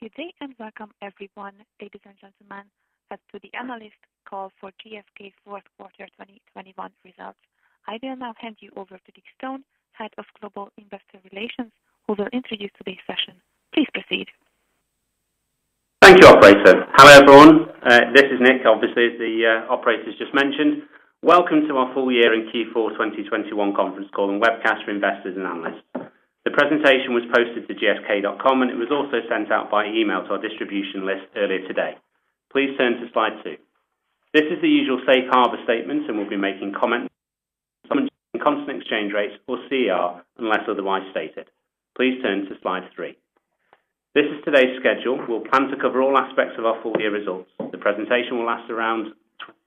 Good day and welcome everyone, ladies and gentlemen, to the analyst call for GSK fourth quarter 2021 results. I will now hand you over to Nick Stone, Head of Global Investor Relations, who will introduce today's session. Please proceed. Thank you, operator. Hello, everyone. This is Nick, obviously, as the operator's just mentioned. Welcome to our full year and Q4 2021 conference call and webcast for investors and analysts. The presentation was posted to gsk.com, and it was also sent out by email to our distribution list earlier today. Please turn to slide two. This is the usual safe harbor statement, and we'll be making comments at constant exchange rates or CER, unless otherwise stated. Please turn to slide three. This is today's schedule. We'll plan to cover all aspects of our full-year results. The presentation will last around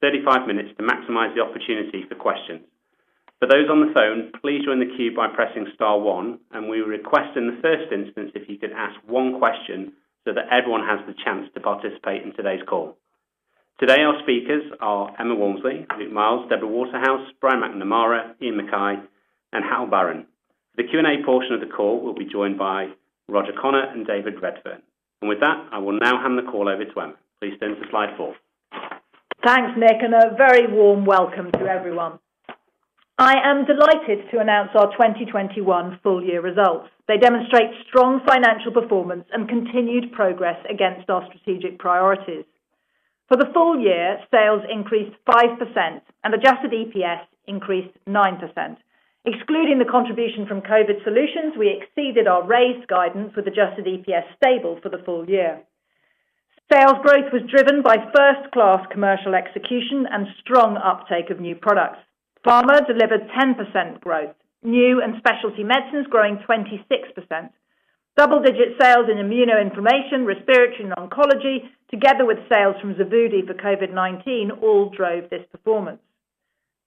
35 minutes to maximize the opportunity for questions. For those on the phone, please join the queue by pressing star one, and we request in the first instance, if you could ask one question so that everyone has the chance to participate in today's call. Today our speakers are Emma Walmsley, Luke Miels, Deborah Waterhouse, Brian McNamara, Iain Mackay, and Hal Barron. The Q&A portion of the call will be joined by Roger Connor and David Redfern. With that, I will now hand the call over to Emma. Please turn to slide four. Thanks, Nick, and a very warm welcome to everyone. I am delighted to announce our 2021 full-year results. They demonstrate strong financial performance and continued progress against our strategic priorities. For the full year, sales increased 5% and adjusted EPS increased 9%. Excluding the contribution from COVID solutions, we exceeded our raised guidance with adjusted EPS stable for the full year. Sales growth was driven by first-class commercial execution and strong uptake of new products. Pharma delivered 10% growth, new and specialty medicines growing 26%. Double-digit sales in immuno-inflammation, respiratory and oncology, together with sales from Xevudy for COVID-19 all drove this performance.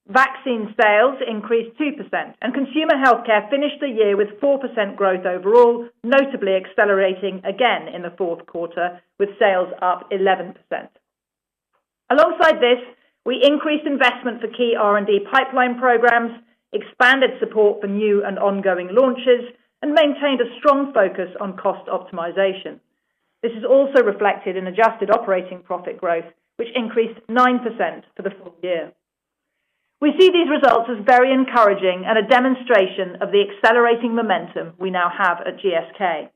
Vaccine sales increased 2%, and consumer healthcare finished the year with 4% growth overall, notably accelerating again in the fourth quarter with sales up 11%. Alongside this, we increased investment for key R&D pipeline programs, expanded support for new and ongoing launches, and maintained a strong focus on cost optimization. This is also reflected in adjusted operating profit growth, which increased 9% for the full year. We see these results as very encouraging and a demonstration of the accelerating momentum we now have at GSK.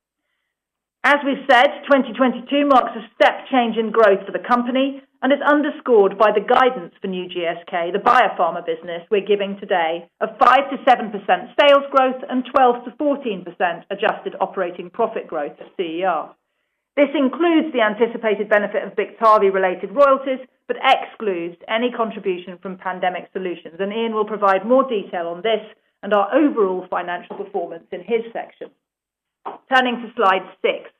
As we said, 2022 marks a step change in growth for the company and is underscored by the guidance for new GSK, the biopharma business we're giving today of 5%-7% sales growth and 12%-14% adjusted operating profit growth to CER. This includes the anticipated benefit of Biktarvy related royalties, but excludes any contribution from Pandemic Solutions. Ian will provide more detail on this and our overall financial performance in his section. Turning to slide six.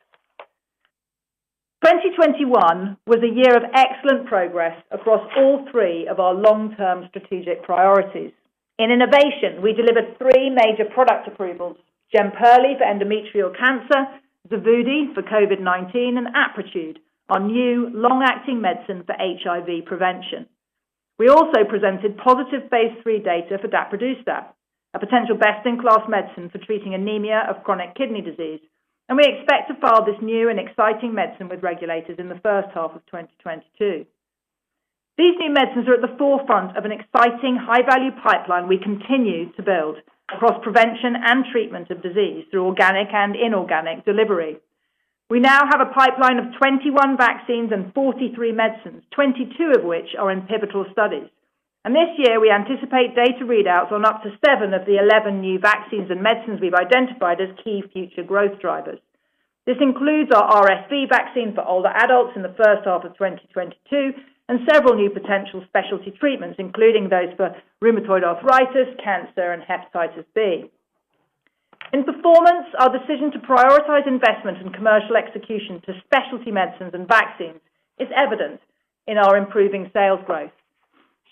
2021 was a year of excellent progress across all three of our long-term strategic priorities. In innovation, we delivered three major product approvals, Jemperli for endometrial cancer, Xevudy for COVID-19, and Apretude, our new long-acting medicine for HIV prevention. We also presented positive phase III data for Daprodustat, a potential best-in-class medicine for treating anemia of chronic kidney disease, and we expect to file this new and exciting medicine with regulators in the first half of 2022. These new medicines are at the forefront of an exciting high-value pipeline we continue to build across prevention and treatment of disease through organic and inorganic delivery. We now have a pipeline of 21 vaccines and 43 medicines, 22 of which are in pivotal studies. This year, we anticipate data readouts on up to seven of the 11 new vaccines and medicines we've identified as key future growth drivers. This includes our RSV vaccine for older adults in the first half of 2022 and several new potential specialty treatments, including those for rheumatoid arthritis, cancer, and hepatitis B. In performance, our decision to prioritize investment in commercial execution to specialty medicines and vaccines is evident in our improving sales growth.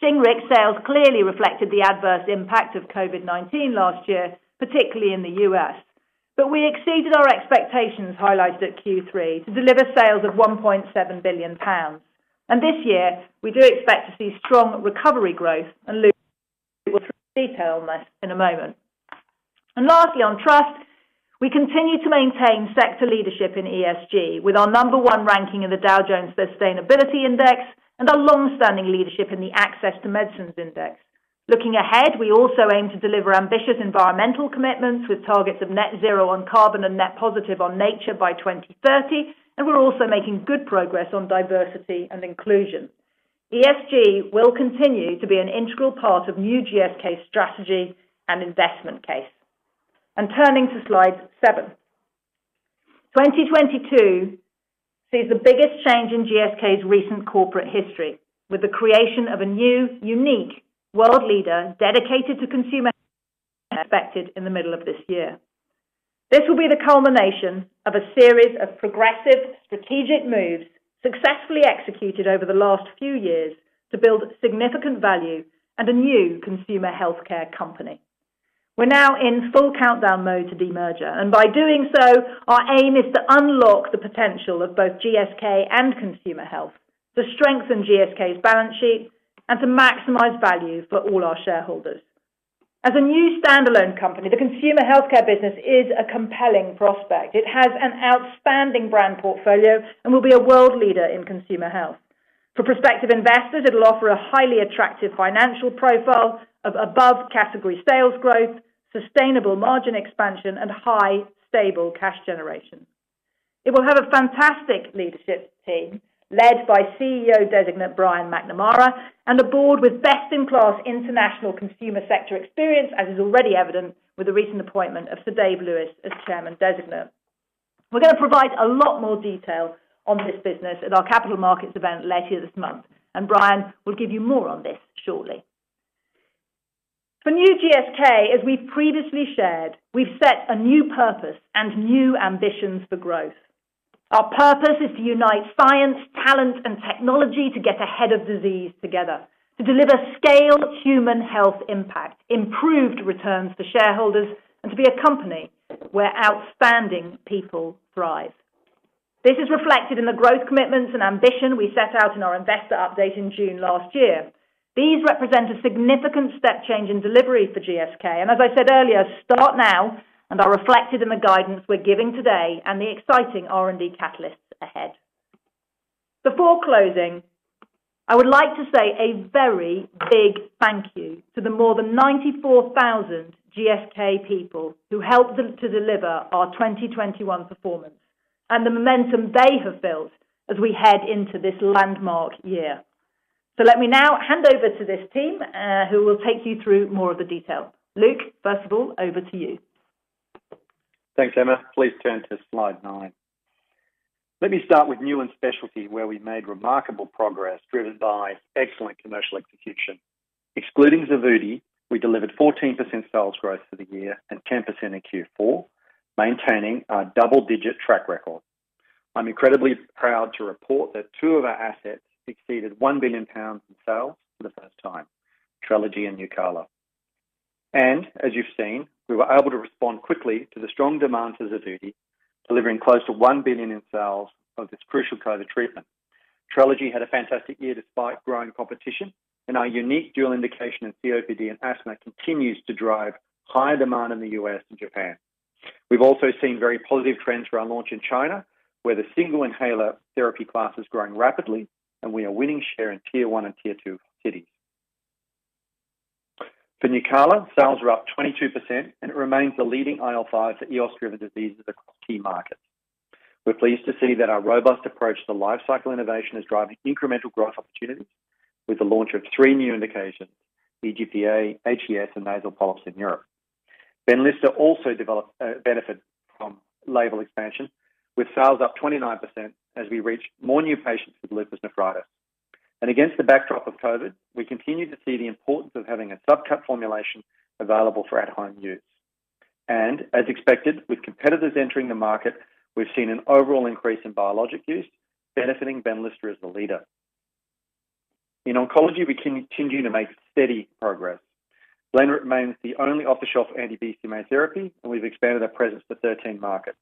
Shingrix sales clearly reflected the adverse impact of COVID-19 last year, particularly in the U.S. We exceeded our expectations highlighted at Q3 to deliver sales of 1.7 billion pounds. This year, we do expect to see strong recovery growth and detail on this in a moment. Lastly, on trust, we continue to maintain sector leadership in ESG with our number one ranking in the Dow Jones Sustainability Index and our long-standing leadership in the Access to Medicine Index. Looking ahead, we also aim to deliver ambitious environmental commitments with targets of net zero on carbon and net positive on nature by 2030, and we're also making good progress on diversity and inclusion. ESG will continue to be an integral part of new GSK strategy and investment case. Turning to slide seven. 2022 sees the biggest change in GSK's recent corporate history, with the creation of a new, unique world leader dedicated to consumer healthcare expected in the middle of this year. This will be the culmination of a series of progressive strategic moves successfully executed over the last few years to build significant value and a new consumer healthcare company. We're now in full countdown mode to demerger, and by doing so, our aim is to unlock the potential of both GSK and Consumer Health, to strengthen GSK's balance sheet and to maximize value for all our shareholders. As a new standalone company, the consumer healthcare business is a compelling prospect. It has an outstanding brand portfolio and will be a world leader in consumer health. For prospective investors, it'll offer a highly attractive financial profile of above-category sales growth, sustainable margin expansion, and high, stable cash generation. It will have a fantastic leadership team led by CEO designate Brian McNamara and a board with best-in-class international consumer sector experience, as is already evident with the recent appointment of Sir Dave Lewis as chairman designate. We're gonna provide a lot more detail on this business at our capital markets event later this month, and Brian will give you more on this shortly. For new GSK, as we've previously shared, we've set a new purpose and new ambitions for growth. Our purpose is to unite science, talent, and technology to get ahead of disease together. To deliver scaled human health impact, improved returns to shareholders, and to be a company where outstanding people thrive. This is reflected in the growth commitments and ambition we set out in our investor update in June last year. These represent a significant step change in delivery for GSK, and as I said earlier, start now and are reflected in the guidance we're giving today and the exciting R&D catalysts ahead. Before closing, I would like to say a very big thank you to the more than 94,000 GSK people who helped them to deliver our 2021 performance, and the momentum they have built as we head into this landmark year. Let me now hand over to this team, who will take you through more of the detail. Luke, first of all, over to you. Thanks, Emma. Please turn to slide nine. Let me start with new and specialty, where we made remarkable progress driven by excellent commercial execution. Excluding Xevudy, we delivered 14% sales growth for the year and 10% in Q4, maintaining our double-digit track record. I'm incredibly proud to report that two of our assets exceeded 1 billion pounds in sales for the first time, Trelegy and Nucala. As you've seen, we were able to respond quickly to the strong demand for Xevudy, delivering close to 1 billion in sales of this crucial COVID treatment. Trelegy had a fantastic year despite growing competition, and our unique dual indication in COPD and asthma continues to drive higher demand in the U.S. and Japan. We've also seen very positive trends for our launch in China, where the single inhaler therapy class is growing rapidly and we are winning share in tier one and tier two cities. For Nucala, sales are up 22%, and it remains the leading IL-5 for EOS-driven diseases across key markets. We're pleased to see that our robust approach to lifecycle innovation is driving incremental growth opportunities with the launch of three new indications, EGPA, HS, and nasal polyps in Europe. Benlysta also derived benefit from label expansion with sales up 29% as we reach more new patients with lupus nephritis. Against the backdrop of COVID, we continue to see the importance of having a subcut formulation available for at-home use. As expected, with competitors entering the market, we've seen an overall increase in biologic use, benefiting Benlysta as the leader. In oncology, we continue to make steady progress. BLENREP remains the only off-the-shelf anti-BCMA therapy, and we've expanded our presence to 13 markets.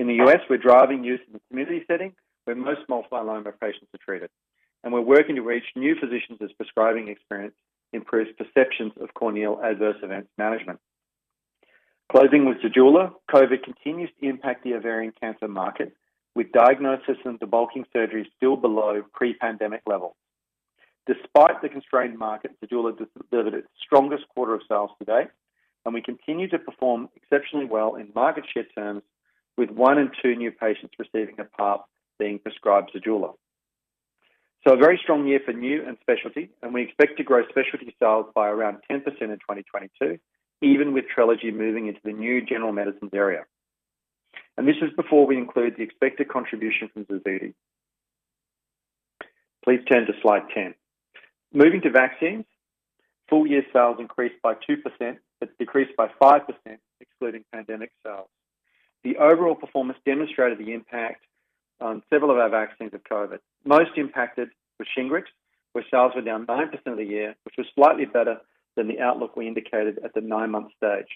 In the U.S., we're driving use in the community setting where most multiple myeloma patients are treated. We're working to reach new physicians as prescribing experience improves perceptions of corneal adverse events management. Closing with Zejula, COVID continues to impact the ovarian cancer market with diagnosis and debulking surgeries still below pre-pandemic levels. Despite the constrained market, Zejula has delivered its strongest quarter of sales to date, and we continue to perform exceptionally well in market share terms with one in two new patients receiving a PARP being prescribed Zejula. A very strong year for new and specialty, and we expect to grow specialty sales by around 10% in 2022, even with Trelegy moving into the new general medicines area. This is before we include the expected contribution from Xevudy. Please turn to slide 10. Moving to vaccines, full-year sales increased by 2%, but decreased by 5% excluding pandemic sales. The overall performance demonstrated the impact on several of our vaccines of COVID. Most impacted was Shingrix, where sales were down 9% of the year, which was slightly better than the outlook we indicated at the nine-month stage.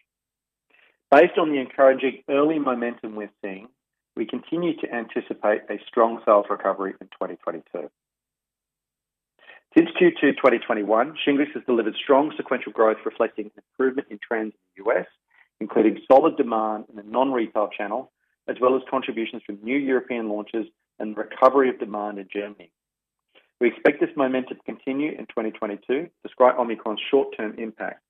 Based on the encouraging early momentum we're seeing, we continue to anticipate a strong sales recovery in 2022. Since Q2 2021, Shingrix has delivered strong sequential growth, reflecting an improvement in trends in the U.S., including solid demand in the non-retail channel, as well as contributions from new European launches and recovery of demand in Germany. We expect this momentum to continue in 2022, despite Omicron's short-term impact.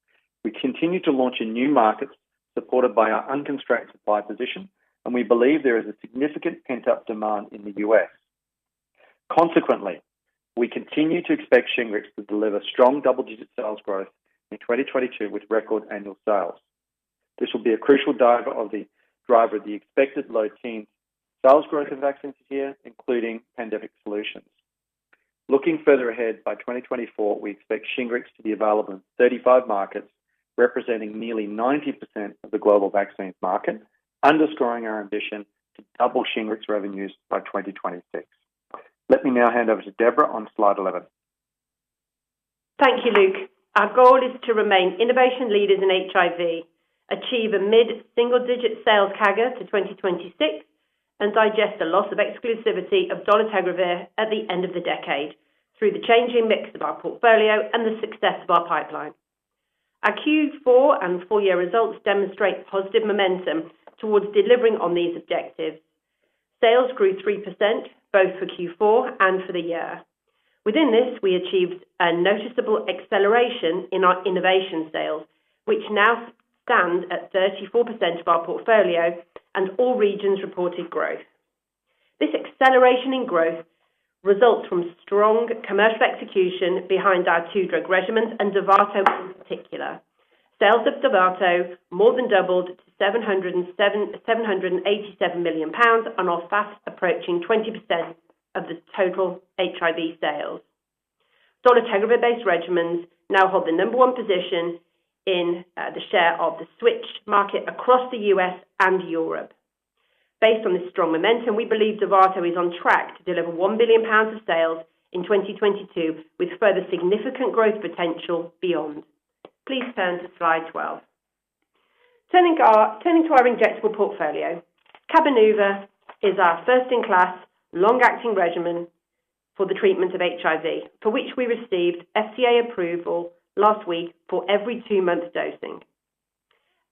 We continue to launch in new markets supported by our unconstrained supply position, and we believe there is a significant pent-up demand in the U.S. Consequently, we continue to expect Shingrix to deliver strong double-digit sales growth in 2022 with record annual sales. This will be a crucial driver of the expected low-teens sales growth in vaccines this year, including pandemic solutions. Looking further ahead, by 2024, we expect Shingrix to be available in 35 markets, representing nearly 90% of the global vaccines market, underscoring our ambition to double Shingrix revenues by 2026. Let me now hand over to Deborah on slide 11. Thank you, Luke. Our goal is to remain innovation leaders in HIV, achieve a mid-single-digit sales CAGR to 2026. Digest the loss of exclusivity of dolutegravir at the end of the decade through the changing mix of our portfolio and the success of our pipeline. Our Q4 and full-year results demonstrate positive momentum towards delivering on these objectives. Sales grew 3% both for Q4 and for the year. Within this, we achieved a noticeable acceleration in our innovation sales, which now stand at 34% of our portfolio and all regions reported growth. This acceleration in growth results from strong commercial execution behind our two drug regimens and Dovato in particular. Sales of Dovato more than doubled to 787 million pounds and are fast approaching 20% of the total HIV sales. Dolutegravir-based regimens now hold the number one position in the share of the switched market across the U.S. and Europe. Based on this strong momentum, we believe Dovato is on track to deliver 1 billion pounds of sales in 2022, with further significant growth potential beyond. Please turn to slide 12. Turning to our injectable portfolio, Cabenuva is our first-in-class long-acting regimen for the treatment of HIV, for which we received FDA approval last week for every two-month dosing.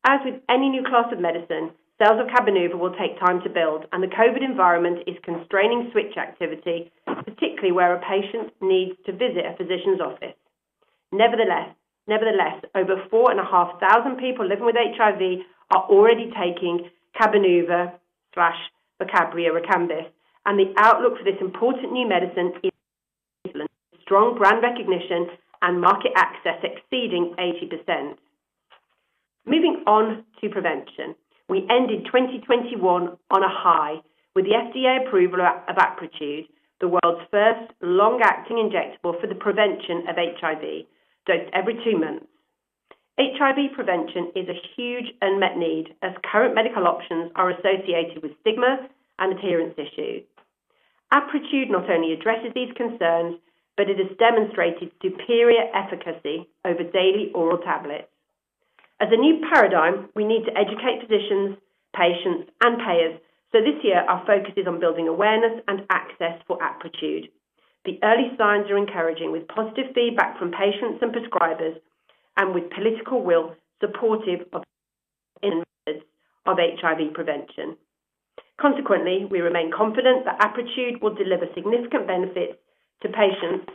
As with any new class of medicine, sales of Cabenuva will take time to build, and the COVID environment is constraining switch activity, particularly where a patient needs to visit a physician's office. Nevertheless, over 4,500 people living with HIV are already taking Cabenuva/Vocabria/Rekambys, and the outlook for this important new medicine is strong brand recognition and market access exceeding 80%. Moving on to prevention, we ended 2021 on a high with the FDA approval of Apretude, the world's first long-acting injectable for the prevention of HIV, dosed every two months. HIV prevention is a huge unmet need as current medical options are associated with stigma and adherence issues. Apretude not only addresses these concerns, but it has demonstrated superior efficacy over daily oral tablets. As a new paradigm, we need to educate physicians, patients, and payers, so this year our focus is on building awareness and access for Apretude. The early signs are encouraging with positive feedback from patients and prescribers and with political will supportive of methods of HIV prevention. Consequently, we remain confident that Apretude will deliver significant benefits to patients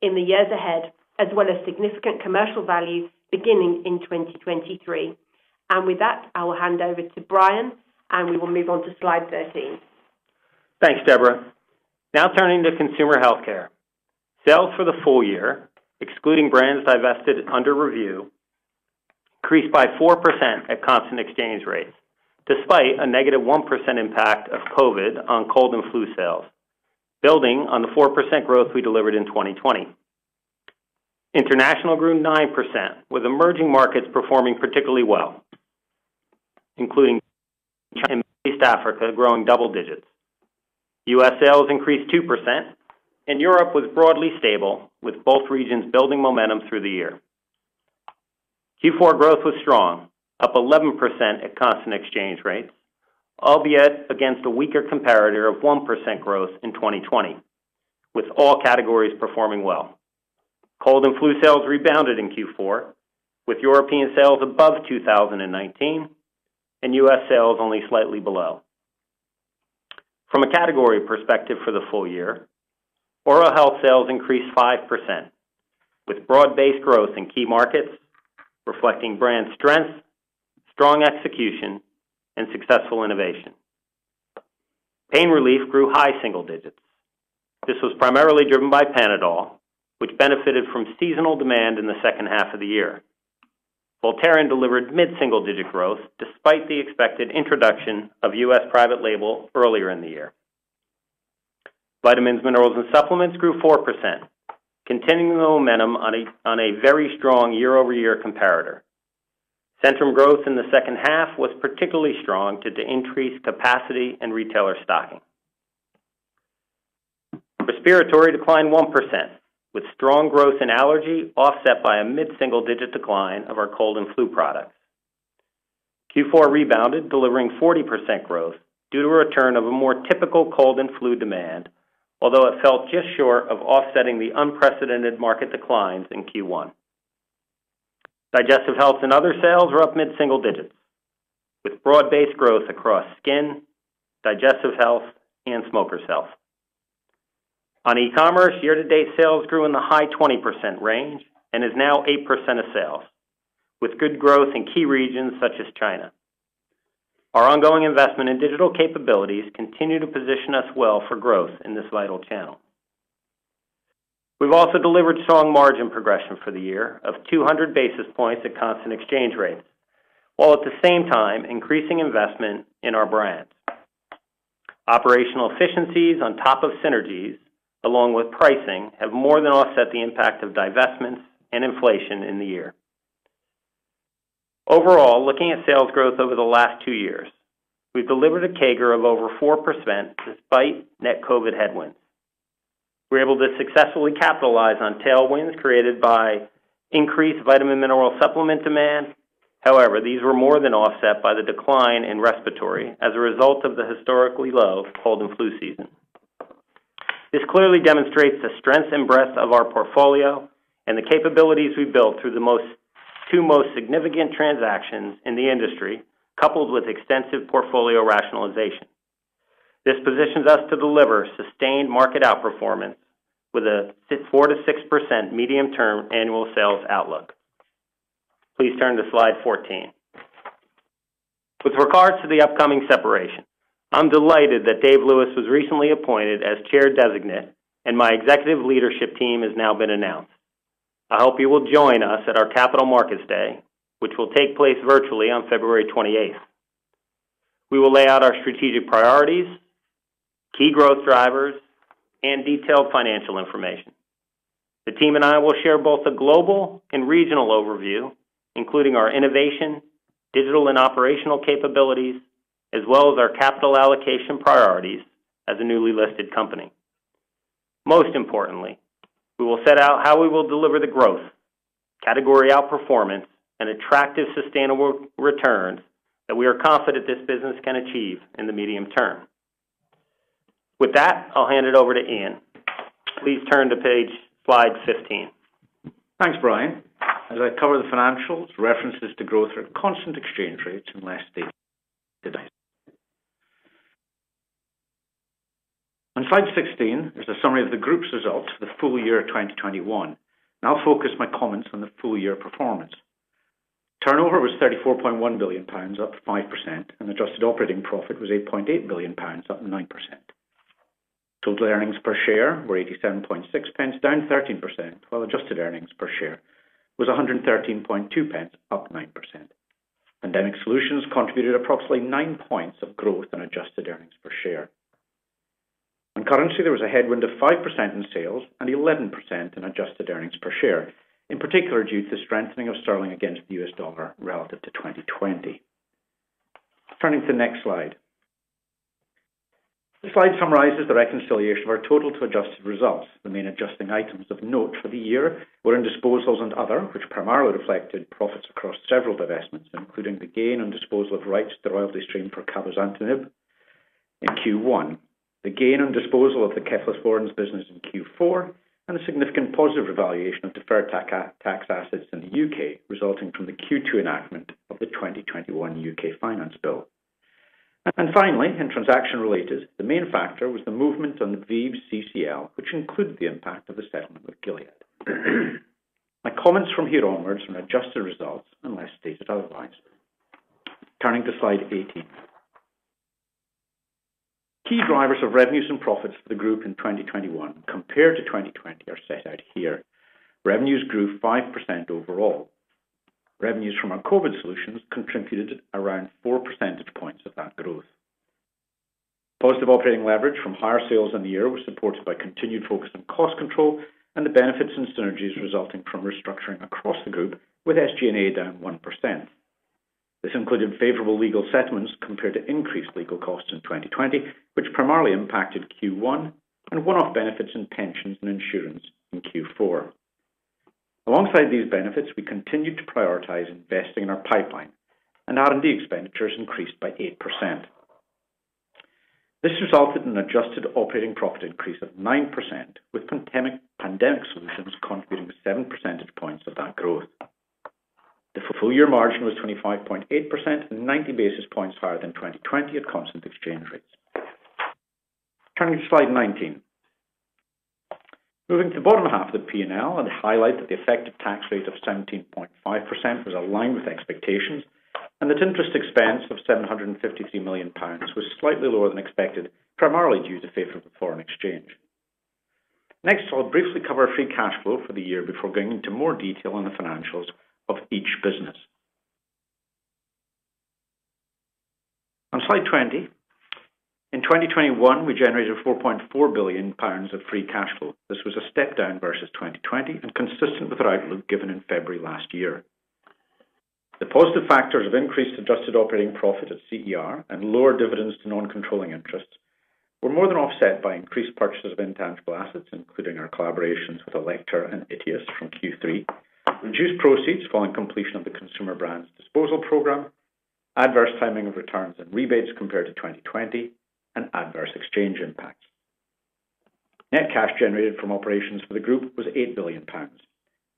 in the years ahead, as well as significant commercial value beginning in 2023. With that, I will hand over to Brian, and we will move on to slide 13. Thanks, Deborah. Now turning to consumer healthcare. Sales for the full year, excluding brands divested under review, increased by 4% at constant exchange rates, despite a negative 1% impact of COVID on cold and flu sales, building on the 4% growth we delivered in 2020. International grew 9%, with emerging markets performing particularly well, including East Africa growing double digits. U.S. sales increased 2%, and Europe was broadly stable, with both regions building momentum through the year. Q4 growth was strong, up 11% at constant exchange rates, albeit against a weaker comparator of 1% growth in 2020, with all categories performing well. Cold and flu sales rebounded in Q4, with European sales above 2019, and U.S. sales only slightly below. From a category perspective for the full year, oral health sales increased 5%, with broad-based growth in key markets reflecting brand strength, strong execution, and successful innovation. Pain relief grew high single digits. This was primarily driven by Panadol, which benefited from seasonal demand in the second half of the year. Voltaren delivered mid-single-digit growth despite the expected introduction of U.S. private label earlier in the year. Vitamins, minerals, and supplements grew 4%, continuing the momentum on a very strong year-over-year comparator. Centrum growth in the second half was particularly strong due to increased capacity and retailer stocking. Respiratory declined 1%, with strong growth in allergy offset by a mid-single-digit decline of our cold and flu products. Q4 rebounded, delivering 40% growth due to a return of a more typical cold and flu demand. Although it fell just short of offsetting the unprecedented market declines in Q1. Digestive health and other sales were up mid-single digits, with broad-based growth across skin, digestive health, and smokers' health. On e-commerce, year-to-date sales grew in the high 20% range and is now 8% of sales, with good growth in key regions such as China. Our ongoing investment in digital capabilities continue to position us well for growth in this vital channel. We've also delivered strong margin progression for the year of 200 basis points at constant exchange rates, while at the same time increasing investment in our brands. Operational efficiencies on top of synergies, along with pricing, have more than offset the impact of divestments and inflation in the year. Overall, looking at sales growth over the last two years, we've delivered a CAGR of over 4% despite net COVID headwinds. We're able to successfully capitalize on tailwinds created by increased vitamin mineral supplement demand. However, these were more than offset by the decline in respiratory as a result of the historically low cold and flu season. This clearly demonstrates the strength and breadth of our portfolio and the capabilities we built through the two most significant transactions in the industry, coupled with extensive portfolio rationalization. This positions us to deliver sustained market outperformance with a 4%-6% medium-term annual sales outlook. Please turn to slide 14. With regards to the upcoming separation, I'm delighted that Dave Lewis was recently appointed as chair designate, and my executive leadership team has now been announced. I hope you will join us at our Capital Markets Day, which will take place virtually on February twenty-eighth. We will lay out our strategic priorities, key growth drivers, and detailed financial information. The team and I will share both a global and regional overview, including our innovation, digital and operational capabilities, as well as our capital allocation priorities as a newly listed company. Most importantly, we will set out how we will deliver the growth, category outperformance, and attractive sustainable returns that we are confident this business can achieve in the medium term. With that, I'll hand it over to Iain. Please turn to slide 15. Thanks, Brian. As I cover the financials, references to growth are at constant exchange rates unless stated today. On slide 16, there's a summary of the group's results for the full year 2021, and I'll focus my comments on the full-year performance. Turnover was 34.1 billion pounds, up 5%, and adjusted operating profit was 8.8 billion pounds, up 9%. Total earnings per share were 87.6 pence, down 13%, while adjusted earnings per share was 113.2 pence, up 9%. Pandemic solutions contributed approximately nine points of growth in adjusted earnings per share. On currency, there was a headwind of 5% in sales and 11% in adjusted earnings per share, in particular due to the strengthening of sterling against the US dollar relative to 2020. Turning to the next slide. This slide summarizes the reconciliation of our total to adjusted results. The main adjusting items of note for the year were in disposals and other, which primarily reflected profits across several divestments, including the gain on disposal of rights to royalty stream for cabozantinib in Q1, the gain on disposal of the Cephalexin business in Q4, and a significant positive revaluation of deferred tax assets in the U.K. resulting from the Q2 enactment of the 2021 U.K. Finance Bill. Finally, in transaction related, the main factor was the movement on the ViiV CVL, which included the impact of the settlement with Gilead. My comments from here onwards are on adjusted results unless stated otherwise. Turning to slide 18. Key drivers of revenues and profits for the group in 2021 compared to 2020 are set out here. Revenues grew 5% overall. Revenues from our COVID solutions contributed around four percentage points of that growth. Positive operating leverage from higher sales in the year was supported by continued focus on cost control and the benefits and synergies resulting from restructuring across the group with SG&A down 1%. This included favorable legal settlements compared to increased legal costs in 2020, which primarily impacted Q1 and one-off benefits in pensions and insurance in Q4. Alongside these benefits, we continued to prioritize investing in our pipeline and R&D expenditures increased by 8%. This resulted in an adjusted operating profit increase of 9%, with pandemic solutions contributing seven percentage points of that growth. The full year margin was 25.8% and 90 basis points higher than 2020 at constant exchange rates. Turning to slide 19. Moving to the bottom half of the P&L, I'd highlight that the effective tax rate of 17.5% was aligned with expectations and that interest expense of 753 million pounds was slightly lower than expected, primarily due to favorable foreign exchange. Next, I'll briefly cover free cash flow for the year before going into more detail on the financials of each business. On slide 20, in 2021, we generated 4.4 billion pounds of free cash flow. This was a step down versus 2020 and consistent with our outlook given in February last year. The positive factors of increased adjusted operating profit at CER and lower dividends to non-controlling interests were more than offset by increased purchases of intangible assets, including our collaborations with Alector and Arctus from Q3, reduced proceeds following completion of the Consumer Brands disposal program, adverse timing of returns and rebates compared to 2020, and adverse exchange impacts. Net cash generated from operations for the group was 8 billion pounds.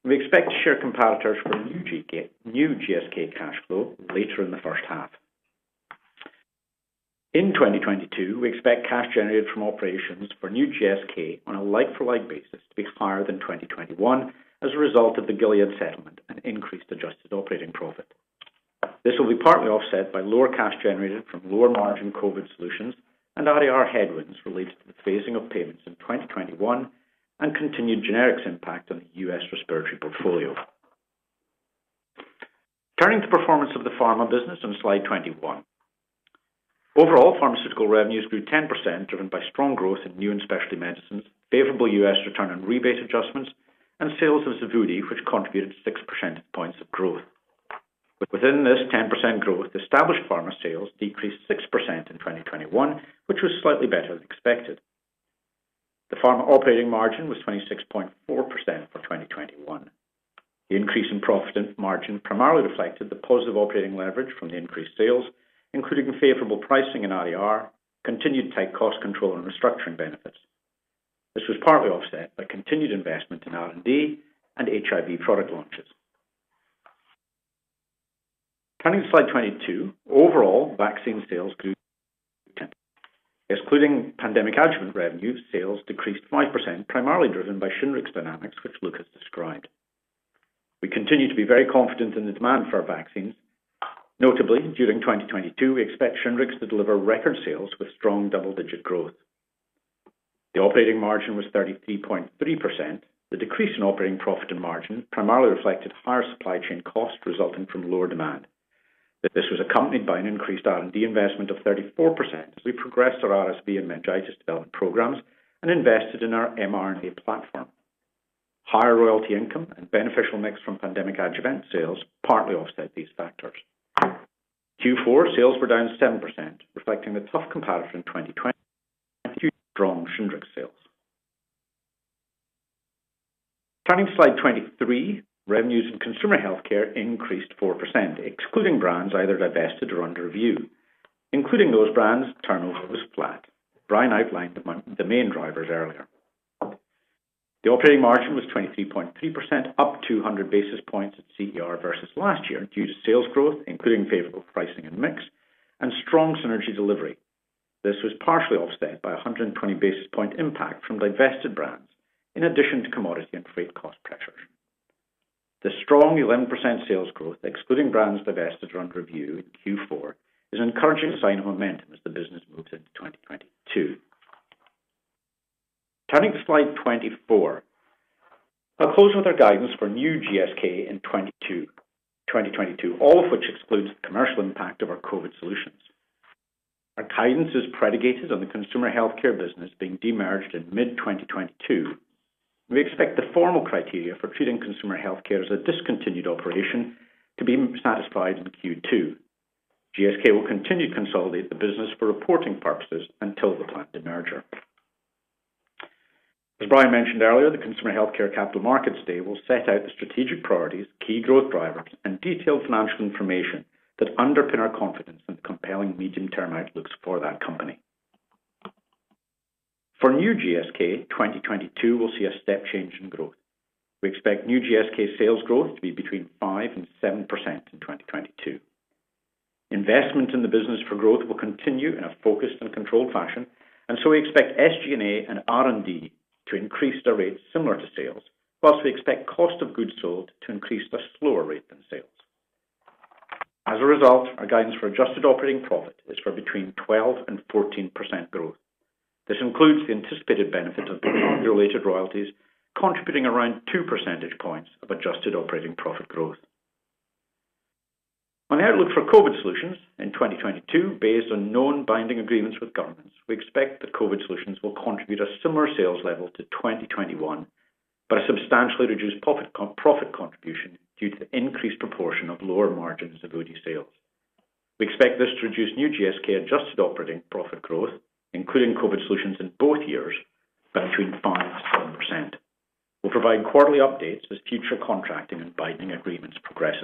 We expect to share comparators for new GSK cash flow later in the first half. In 2022, we expect cash generated from operations for new GSK on a like-for-like basis to be higher than 2021 as a result of the Gilead settlement and increased adjusted operating profit. This will be partly offset by lower cash generated from lower margin COVID solutions and FX headwinds related to the phasing of payments in 2021 and continued generics impact on the U.S. respiratory portfolio. Turning to performance of the pharma business on slide 21. Overall, pharmaceutical revenues grew 10%, driven by strong growth in new and specialty medicines, favorable U.S. return on rebate adjustments, and sales of Xevudy, which contributed six percentage points of growth. But within this 10% growth, established pharma sales decreased 6% in 2021, which was slightly better than expected. The pharma operating margin was 26.4% for 2021. The increase in profit margin primarily reflected the positive operating leverage from the increased sales, including the favorable pricing in AER, continued tight cost control and restructuring benefits. This was partly offset by continued investment in R&D and HIV product launches. Turning to slide 22. Overall, vaccine sales grew 10%. Excluding pandemic adjuvant revenue, sales decreased 5%, primarily driven by Shingrix dynamics, which Luke described. We continue to be very confident in the demand for our vaccines. Notably, during 2022, we expect Shingrix to deliver record sales with strong double-digit growth. The operating margin was 33.3%. The decrease in operating profit and margin primarily reflected higher supply chain costs resulting from lower demand. This was accompanied by an increased R&D investment of 34% as we progressed our RSV and meningitis development programs and invested in our mRNA platform. Higher royalty income and beneficial mix from pandemic adjuvant sales partly offset these factors. Q4 sales were down 7%, reflecting the tough comparison in 2020 and strong Shingrix sales. Turning to slide 23, revenues in consumer healthcare increased 4%, excluding brands either divested or under review. Including those brands, turnover was flat. Brian outlined among the main drivers earlier. The operating margin was 23.3%, up 200 basis points at CER versus last year due to sales growth, including favorable pricing and mix, and strong synergy delivery. This was partially offset by a 120 basis point impact from divested brands in addition to commodity and freight cost pressures. The strong 11% sales growth, excluding brands divested or under review in Q4, is an encouraging sign of momentum as the business moves into 2022. Turning to slide 24. I'll close with our guidance for new GSK in 2022, all of which excludes the commercial impact of our Covid solutions. Our guidance is predicated on the consumer healthcare business being de-merged in mid-2022. We expect the formal criteria for treating consumer healthcare as a discontinued operation to be satisfied in Q2. GSK will continue to consolidate the business for reporting purposes until the planned de-merger. As Brian mentioned earlier, the consumer healthcare capital markets day will set out the strategic priorities, key growth drivers, and detailed financial information that underpin our confidence in the compelling medium-term outlooks for that company. For New GSK, 2022 will see a step change in growth. We expect New GSK sales growth to be between 5%-7% in 2022. Investment in the business for growth will continue in a focused and controlled fashion, and so we expect SG&A and R&D to increase their rates similar to sales. We expect cost of goods sold to increase at a slower rate than sales. As a result, our guidance for adjusted operating profit is for between 12% and 14% growth. This includes the anticipated benefit of the ViiV-related royalties contributing around two percentage points of adjusted operating profit growth. On the outlook for COVID solutions in 2022, based on known binding agreements with governments, we expect that COVID solutions will contribute a similar sales level to 2021, but a substantially reduced profit contribution due to the increased proportion of lower margins of Xevudy sales. We expect this to reduce new GSK adjusted operating profit growth, including COVID solutions in both years, by between 5% and 7%. We'll provide quarterly updates as future contracting and binding agreements progress.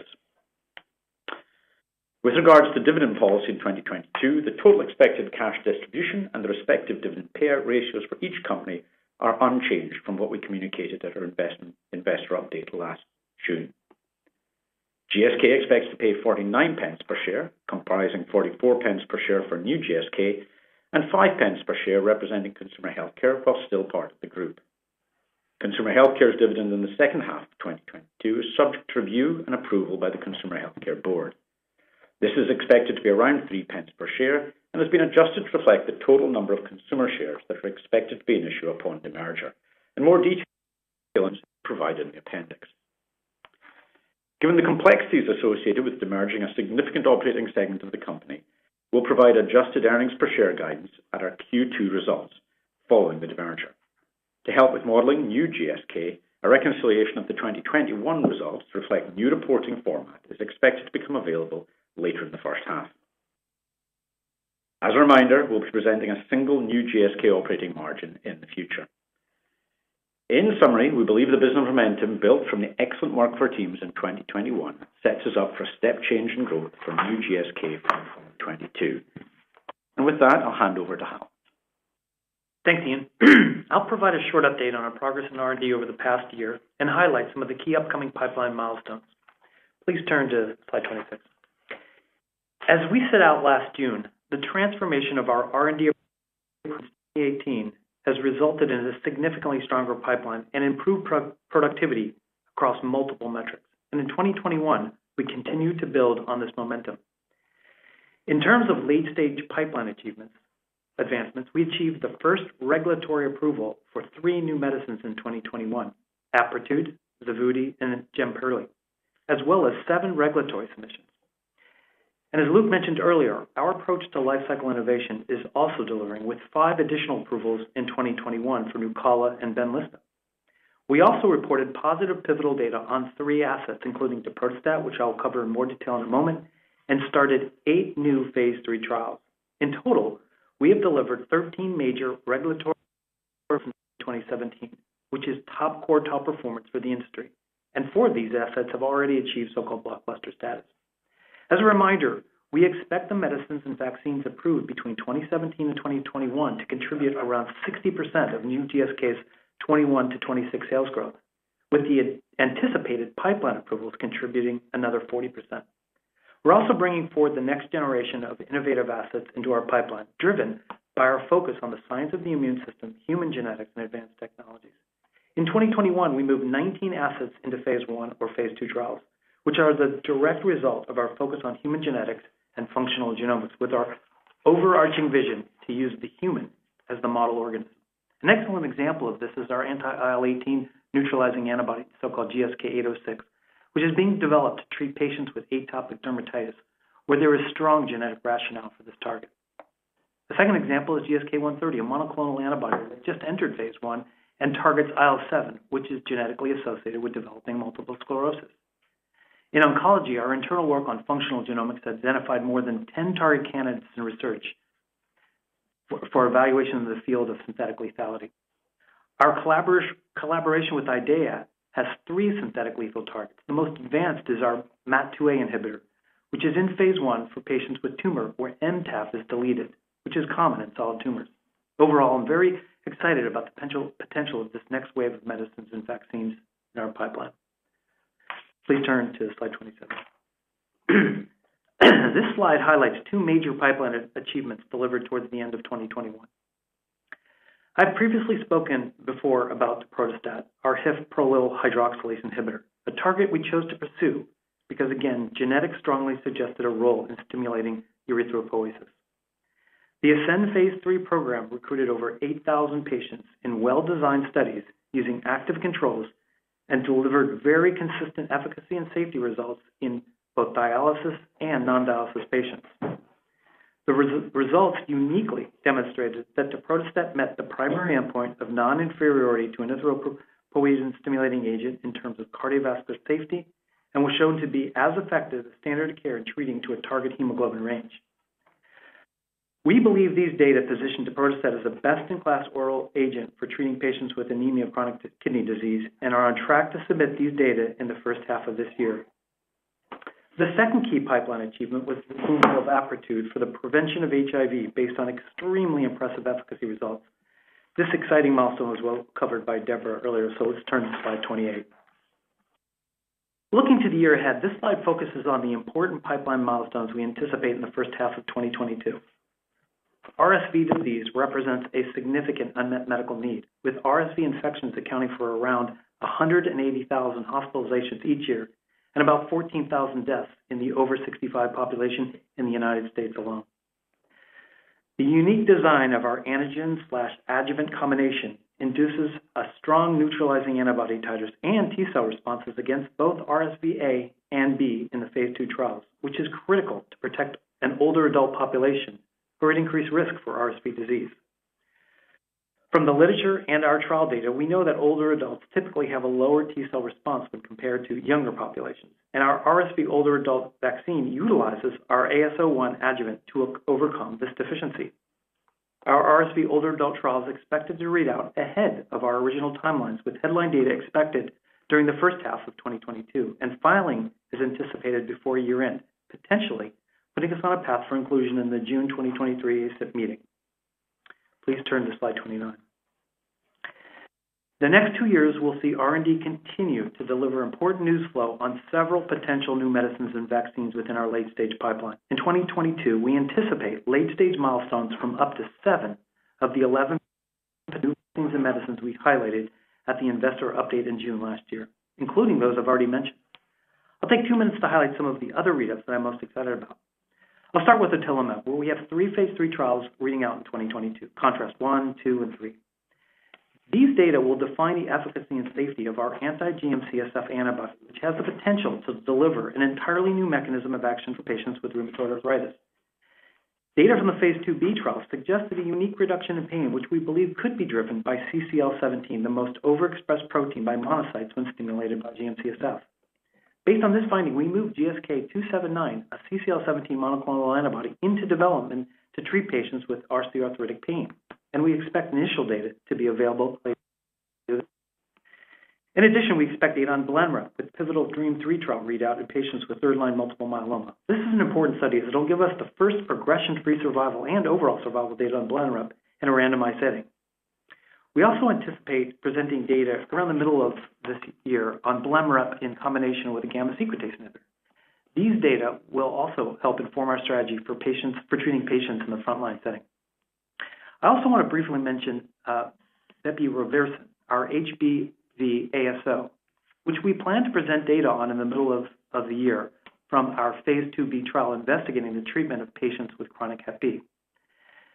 With regards to dividend policy in 2022, the total expected cash distribution and the respective dividend payout ratios for each company are unchanged from what we communicated at our investor update last June. GSK expects to pay 0.49 per share, comprising 0.44 per share for new GSK and 0.05 per share representing consumer healthcare while still part of the group. Consumer healthcare's dividend in the second half of 2022 is subject to review and approval by the consumer healthcare board. This is expected to be around 0.03 per share and has been adjusted to reflect the total number of consumer shares that are expected to be in issue upon demerger, and more details provided in the appendix. Given the complexities associated with demerging a significant operating segment of the company, we'll provide adjusted earnings per share guidance at our Q2 results following the demerger. To help with modeling new GSK, a reconciliation of the 2021 results to reflect new reporting format is expected to become available later in the first half. As a reminder, we'll be presenting a single new GSK operating margin in the future. In summary, we believe the business momentum built from the excellent work of our teams in 2021 sets us up for a step change in growth for new GSK in 2022. With that, I'll hand over to Hal. Thanks, Ian. I'll provide a short update on our progress in R&D over the past year and highlight some of the key upcoming pipeline milestones. Please turn to slide 26. As we set out last June, the transformation of our R&D in 2018 has resulted in a significantly stronger pipeline and improved productivity across multiple metrics. In 2021, we continued to build on this momentum. In terms of late-stage pipeline achievements, advancements, we achieved the first regulatory approval for three new medicines in 2021, Apretude, Xevudy, and Jemperli, as well as seven regulatory submissions. As Luke mentioned earlier, our approach to lifecycle innovation is also delivering with five additional approvals in 2021 for Nucala and Benlysta. We also reported positive pivotal data on three assets, including Daprodustat, which I'll cover in more detail in a moment, and started eight new phase III trials. In total, we have delivered 13 major regulatory approvals from 2017, which is top quartile performance for the industry, and four of these assets have already achieved so-called blockbuster status. As a reminder, we expect the medicines and vaccines approved between 2017 and 2021 to contribute around 60% of new GSK's 2021-2026 sales growth, with the anticipated pipeline approvals contributing another 40%. We're also bringing forward the next generation of innovative assets into our pipeline, driven by our focus on the science of the immune system, human genetics, and advanced technologies. In 2021, we moved 19 assets into phase I or phase II trials, which are the direct result of our focus on human genetics and functional genomics with our overarching vision to use the human as the model organism. An excellent example of this is our anti-IL-18 neutralizing antibody, so-called GSK 806, which is being developed to treat patients with atopic dermatitis, where there is strong genetic rationale for this target. The second example is GSK 130, a monoclonal antibody that just entered phase I and targets IL-7, which is genetically associated with developing multiple sclerosis. In oncology, our internal work on functional genomics has identified more than 10 target candidates in research for evaluation in the field of synthetic lethality. Our collaboration with IDEAYA has three synthetic lethal targets. The most advanced is our MAT2A inhibitor, which is in phase I for patients with tumor where MTAP is deleted, which is common in solid tumors. Overall, I'm very excited about the potential of this next wave of medicines and vaccines in our pipeline. Please turn to slide 27. This slide highlights two major pipeline achievements delivered towards the end of 2021. I've previously spoken before about Daprodustat, our HIF prolyl hydroxylase inhibitor, a target we chose to pursue because, again, genetics strongly suggested a role in stimulating erythropoiesis. The ASCEND phase III program recruited over 8,000 patients in well-designed studies using active controls and delivered very consistent efficacy and safety results in both dialysis and non-dialysis patients. The results uniquely demonstrated that Daprodustat met the primary endpoint of non-inferiority to an erythropoietin-stimulating agent in terms of cardiovascular safety and was shown to be as effective as standard of care in treating to a target hemoglobin range. We believe these data position Daprodustat as a best-in-class oral agent for treating patients with anemia of chronic kidney disease and are on track to submit these data in the first half of this year. The second key pipeline achievement was the approval of Apretude for the prevention of HIV based on extremely impressive efficacy results. This exciting milestone was well covered by Deborah earlier, so let's turn to slide 28. Looking to the year ahead, this slide focuses on the important pipeline milestones we anticipate in the first half of 2022. RSV disease represents a significant unmet medical need, with RSV infections accounting for around 180,000 hospitalizations each year and about 14,000 deaths in the over 65 population in the U.S. alone. The unique design of our antigen/adjuvant combination induces a strong neutralizing antibody titers and T cell responses against both RSV A and B in the phase II trials, which is critical to protect an older adult population who are at increased risk for RSV disease. From the literature and our trial data, we know that older adults typically have a lower T cell response when compared to younger populations, and our RSV older adult vaccine utilizes our AS01 adjuvant to overcome this deficiency. Our RSV older adult trial is expected to read out ahead of our original timelines, with headline data expected during the first half of 2022, and filing is anticipated before year-end, potentially putting us on a path for inclusion in the June 2023 ACIP meeting. Please turn to slide 29. The next two years will see R&D continue to deliver important news flow on several potential new medicines and vaccines within our late-stage pipeline. In 2022, we anticipate late-stage milestones from up to seven of the 11 new medicines we highlighted at the investor update in June last year, including those I've already mentioned. I'll take two minutes to highlight some of the other readouts that I'm most excited about. I'll start with otilimab, where we have three phase III trials reading out in 2022, contRAst-1, contRAst-2, and contRAst-3. These data will define the efficacy and safety of our anti-GM-CSF antibody, which has the potential to deliver an entirely new mechanism of action for patients with rheumatoid arthritis. Data from the phase IIb trials suggested a unique reduction in pain, which we believe could be driven by CCL17, the most overexpressed protein by monocytes when stimulated by GM-CSF. Based on this finding, we moved GSK3858279, a CCL17 monoclonal antibody, into development to treat patients with RA arthritic pain, and we expect initial data to be available later this year. In addition, we expect data on BLENREP with pivotal DREAMM-3 trial readout in patients with third-line multiple myeloma. This is an important study as it'll give us the first progression-free survival and overall survival data on BLENREP in a randomized setting. We also anticipate presenting data around the middle of this year on BLENREP in combination with a gamma-secretase inhibitor. These data will also help inform our strategy for treating patients in the frontline setting. I also want to briefly mention, bepirovirsen, our HBV ASO, which we plan to present data on in the middle of the year from our phase IIb trial investigating the treatment of patients with chronic hepatitis B.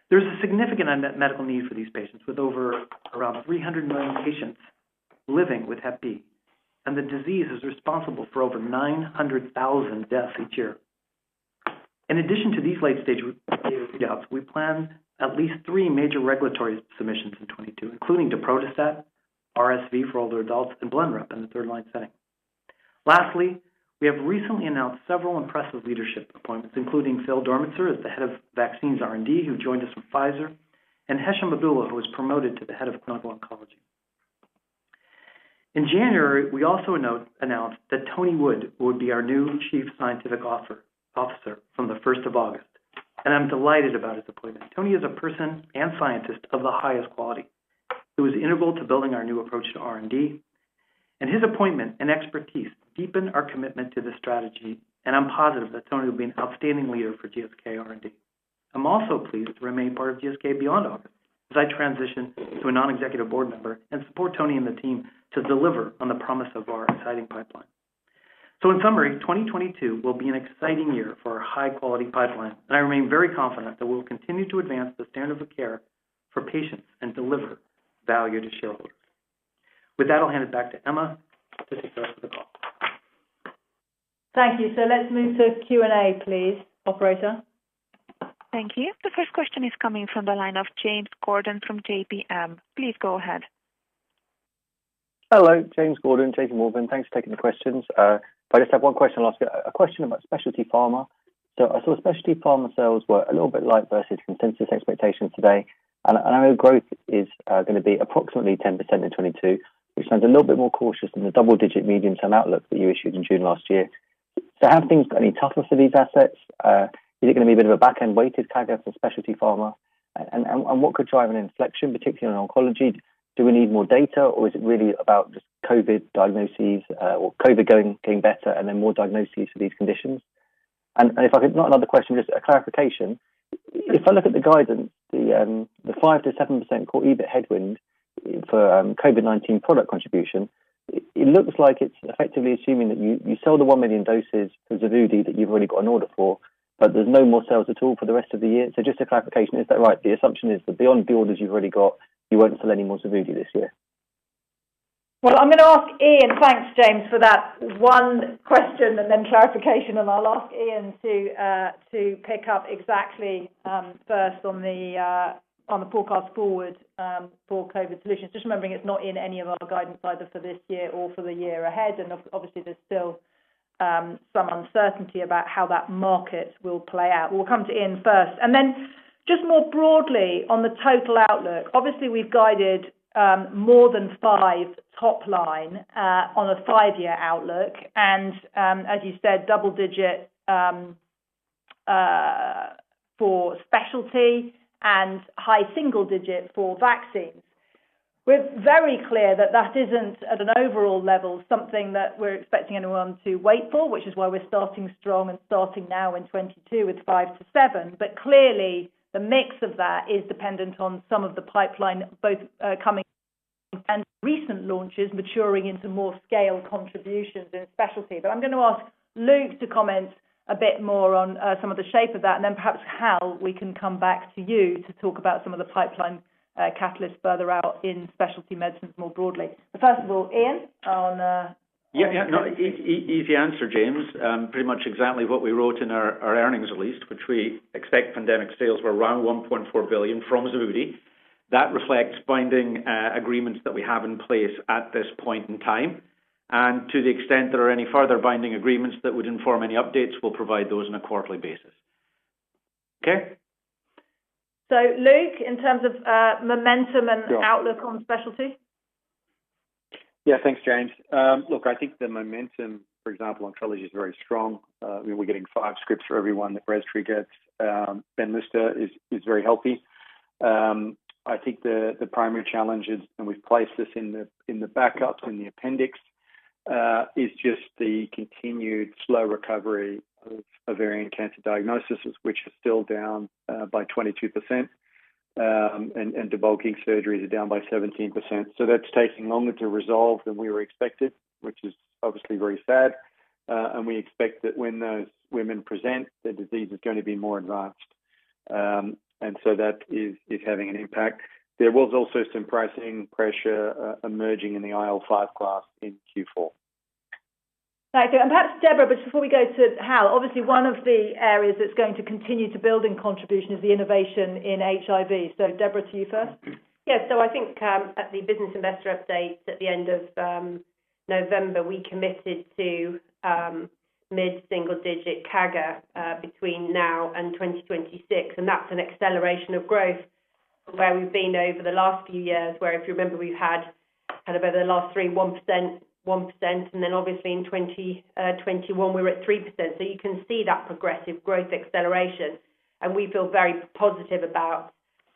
There's a significant unmet medical need for these patients with over around 300 million patients living with hepatitis B, and the disease is responsible for over 900,000 deaths each year. In addition to these late-stage, we plan at least three major regulatory submissions in 2022, including daprodustat, RSV for older adults, and BLENREP in the third-line setting. Lastly, we have recently announced several impressive leadership appointments, including Phil Dormitzer as the head of vaccines R&D, who joined us from Pfizer, and Hesham Abdullah, who was promoted to the head of Clinical Oncology. In January, we also announced that Tony Wood would be our new Chief Scientific Officer from the first of August, and I'm delighted about his appointment. Tony is a person and scientist of the highest quality who is integral to building our new approach to R&D, and his appointment and expertise deepen our commitment to this strategy, and I'm positive that Tony will be an outstanding leader for GSK R&D. I'm also pleased to remain part of GSK beyond August as I transition to a non-executive board member and support Tony and the team to deliver on the promise of our exciting pipeline. In summary, 2022 will be an exciting year for our high-quality pipeline, and I remain very confident that we'll continue to advance the standard of care for patients and deliver value to shareholders. With that, I'll hand it back to Emma. Thank you. Let's move to Q&A, please. Operator? Thank you. The first question is coming from the line of James Gordon from JPM. Please go ahead. Hello, James Gordon, JPMorgan. Thanks for taking the questions. I just have one question. I'll ask a question about Specialty Pharma. I saw Specialty Pharma sales were a little bit light versus consensus expectations today. I know growth is gonna be approximately 10% in 2022, which sounds a little bit more cautious than the double-digit medium-term outlook that you issued in June last year. Have things got any toughness to these assets? Is it gonna be a bit of a back-end weighted CAGR for Specialty Pharma? And what could drive an inflection, particularly in oncology? Do we need more data, or is it really about just COVID diagnoses, or COVID going getting better and then more diagnoses for these conditions? If I could. Not another question, just a clarification. If I look at the guidance, the 5%-7% core EBIT headwind for COVID-19 product contribution, it looks like it's effectively assuming that you sell the 1 million doses for Xevudy that you've already got an order for, but there's no more sales at all for the rest of the year. Just a clarification, is that right? The assumption is that beyond the orders you've already got, you won't sell any more Xevudy this year. Well, I'm gonna ask Iain. Thanks, James, for that one question and then clarification. I'll ask Iain to pick up exactly first on the forecast forward for COVID solutions. Just remembering it's not in any of our guidance either for this year or for the year ahead. Obviously, there's still some uncertainty about how that market will play out. We'll come to Iain first. Then just more broadly on the total outlook. Obviously, we've guided more than 5% top line on a five-year outlook and, as you said, double-digit for specialty and high single-digit for vaccines. We're very clear that that isn't, at an overall level, something that we're expecting anyone to wait for, which is why we're starting strong and starting now in 2022 with 5%-7%. Clearly, the mix of that is dependent on some of the pipeline, both, coming and recent launches maturing into more scaled contributions in specialty. I'm gonna ask Luke to comment a bit more on, some of the shape of that, and then perhaps, Hal, we can come back to you to talk about some of the pipeline, catalysts further out in specialty medicines more broadly. First of all, Ian, on, Yeah. No, easy answer, James. Pretty much exactly what we wrote in our earnings release, which we expect pandemic sales were around 1.4 billion from Xevudy. That reflects binding agreements that we have in place at this point in time. To the extent there are any further binding agreements that would inform any updates, we'll provide those on a quarterly basis. Okay? Luke, in terms of momentum and outlook on Specialty. Yeah. Thanks, James. Look, I think the momentum, for example, oncology is very strong. We're getting five scripts for everyone that Breztri gets. Zejula is very healthy. I think the primary challenge is, and we've placed this in the backup in the appendix, is just the continued slow recovery of ovarian cancer diagnosis, which is still down by 22%. Debulking surgeries are down by 17%. That's taking longer to resolve than we expected, which is obviously very sad. We expect that when those women present, their disease is gonna be more advanced. That is having an impact. There was also some pricing pressure emerging in the IL-5 class in Q4. Thank you. Perhaps Deborah, but just before we go to Hal. Obviously, one of the areas that's going to continue to build in contribution is the innovation in HIV. Deborah, to you first. Yeah. I think at the business investor update at the end of November, we committed to mid-single digit CAGR between now and 2026, and that's an acceleration of growth from where we've been over the last few years, where if you remember, we've had kind of over the last three, 1%, 1%, and then obviously in 2021, we're at 3%. You can see that progressive growth acceleration. We feel very positive about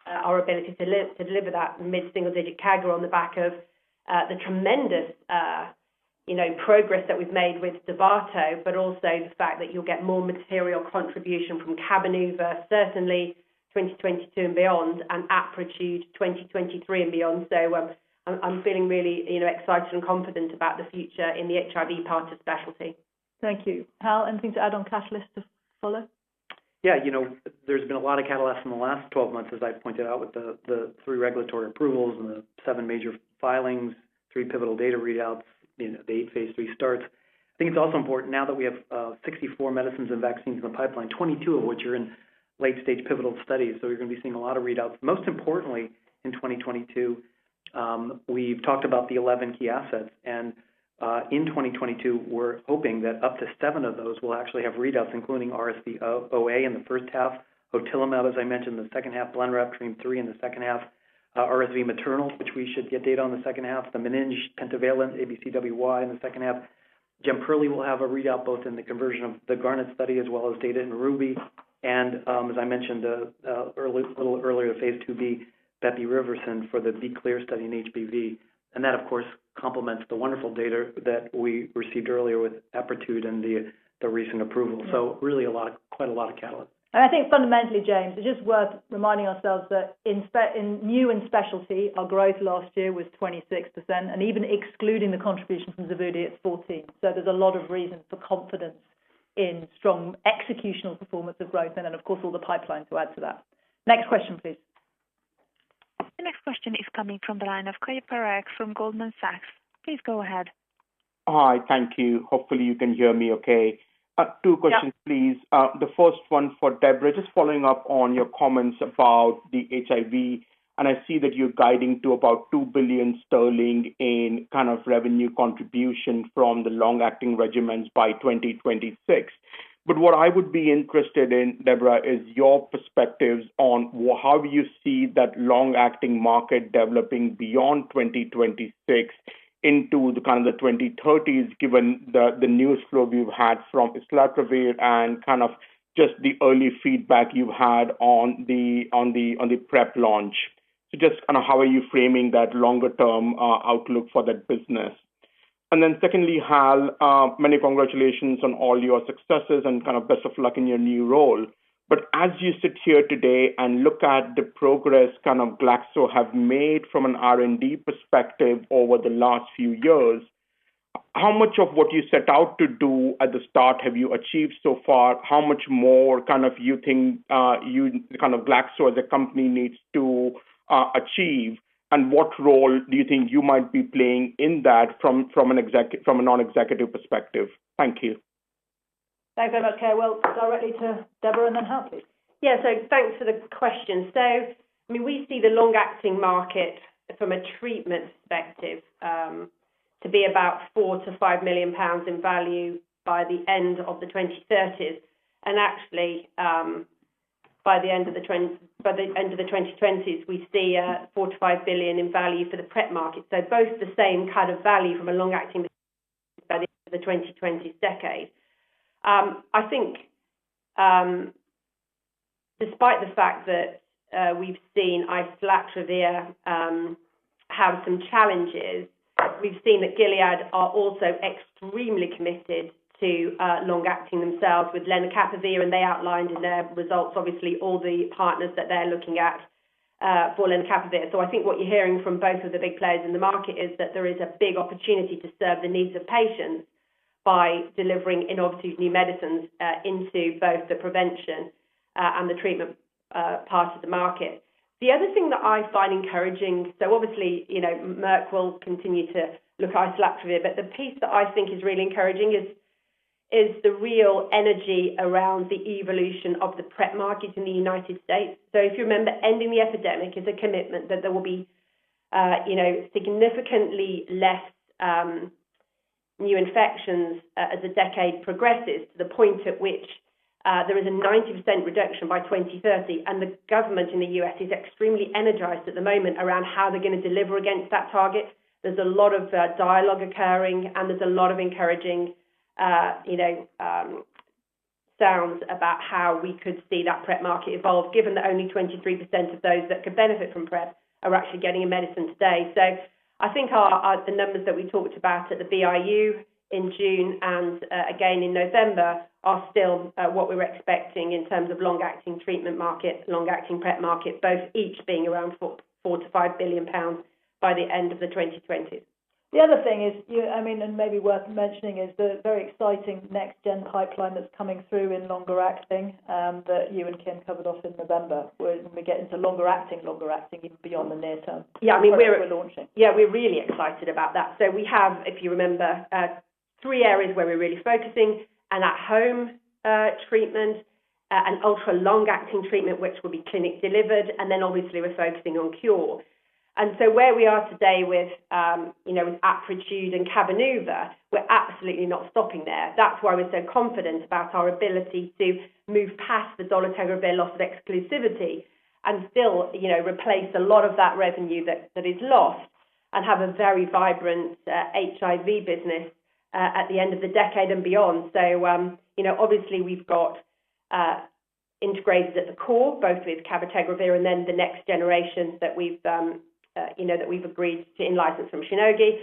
our ability to deliver that mid-single digit CAGR on the back of the tremendous, you know, progress that we've made with Dovato, but also the fact that you'll get more material contribution from Cabenuva, certainly 2022 and beyond. Apretude 2023 and beyond. I'm feeling really, you know, excited and confident about the future in the HIV part of Specialty. Thank you. Hal, anything to add on catalysts to follow? Yeah. You know, there's been a lot of catalysts in the last 12 months, as I've pointed out with the three regulatory approvals and the seven major filings, three pivotal data readouts in the eight phase III starts. I think it's also important now that we have 64 medicines and vaccines in the pipeline, 22 of which are in late-stage pivotal studies. So you're gonna be seeing a lot of readouts. Most importantly, in 2022, we've talked about the 11 key assets and in 2022, we're hoping that up to seven of those will actually have readouts, including RSV OA in the first half. Otilimab, as I mentioned, the second half, BLENREP, DREAMM-3 in the second half. RSV Maternal, which we should get data on the second half. The meningococcal pentavalent ABCWY in the second half. Gemcitabine will have a readout both in the conversion of the GARNET study as well as data in RUBY. As I mentioned a little earlier, phase IIb, bepirovirsen for the B-Clear study in HBV. That, of course, complements the wonderful data that we received earlier with Apretude and the recent approval. Really quite a lot of catalyst. I think fundamentally, James, it's just worth reminding ourselves that in new and specialty, our growth last year was 26%, and even excluding the contribution from Zejula, it's 14%. There's a lot of reasons for confidence in strong executional performance of growth and then, of course, all the pipeline to add to that. Next question, please. The next question is coming from the line of Keyur Parekh from Goldman Sachs. Please go ahead. Hi, thank you. Hopefully, you can hear me okay. Two questions, please. The first one for Deborah, just following up on your comments about the HIV, and I see that you're guiding to about 2 billion sterling in kind of revenue contribution from the long-acting regimens by 2026. But what I would be interested in, Deborah, is your perspectives on how do you see that long-acting market developing beyond 2026 into the kind of the 2030s, given the news flow we've had from islatravir and kind of just the early feedback you've had on the prep launch. So just kinda how are you framing that longer-term outlook for that business? And then secondly, Hal, many congratulations on all your successes and kind of best of luck in your new role. As you sit here today and look at the progress kind of Glaxo have made from an R&D perspective over the last few years, how much of what you set out to do at the start have you achieved so far? How much more do you think kind of Glaxo as a company needs to achieve? What role do you think you might be playing in that from a non-executive perspective? Thank you. Thanks very much, Keyur. Well, directly to Deborah and then Hal, please. Yeah. Thanks for the question. I mean, we see the long-acting market from a treatment perspective to be about 4-5 million pounds in value by the end of the 2030s. Actually, by the end of the 2020s, we see 4-5 billion in value for the prep market. Both the same kind of value from a long-acting value for the 2020s decade. I think, despite the fact that we've seen Islatravir have some challenges, we've seen that Gilead are also extremely committed to long-acting themselves with lenacapavir, and they outlined in their results, obviously, all the partners that they're looking at for lenacapavir. I think what you're hearing from both of the big players in the market is that there is a big opportunity to serve the needs of patients by delivering innovative new medicines into both the prevention and the treatment part of the market. The other thing that I find encouraging, so obviously, you know, Merck will continue to look at Islatravir, but the piece that I find encouraging is the real energy around the evolution of the prep market in the United States. If you remember, Ending the Epidemic is a commitment that there will be, you know, significantly less new infections as the decade progresses to the point at which there is a 90% reduction by 2030. The government in the U.S. is extremely energized at the moment around how they're gonna deliver against that target. There's a lot of dialogue occurring, and there's a lot of encouraging sounds about how we could see that prep market evolve, given that only 23% of those that could benefit from prep are actually getting a medicine today. I think our the numbers that we talked about at the BIU in June and again in November are still what we're expecting in terms of long-acting treatment markets, long-acting prep markets, both each being around £4 billion-£5 billion by the end of the 2020s. The other thing is, I mean, maybe worth mentioning is the very exciting next-gen pipeline that's coming through in longer acting that you and Kim covered off in November when we get into longer acting even beyond the near term. Products we're launching. Yeah, we're really excited about that. We have, if you remember, three areas where we're really focusing: an at-home treatment, an ultra-long-acting treatment, which will be clinic delivered, and then obviously we're focusing on cure. Where we are today with, you know, with Apretude and Cabenuva, we're absolutely not stopping there. That's why we're so confident about our ability to move past the dolutegravir loss of exclusivity and still, you know, replace a lot of that revenue that is lost and have a very vibrant HIV business at the end of the decade and beyond. You know, obviously, we've got integrases at the core, both with cabotegravir and then the next generations that we've you know agreed to in-license from Shionogi.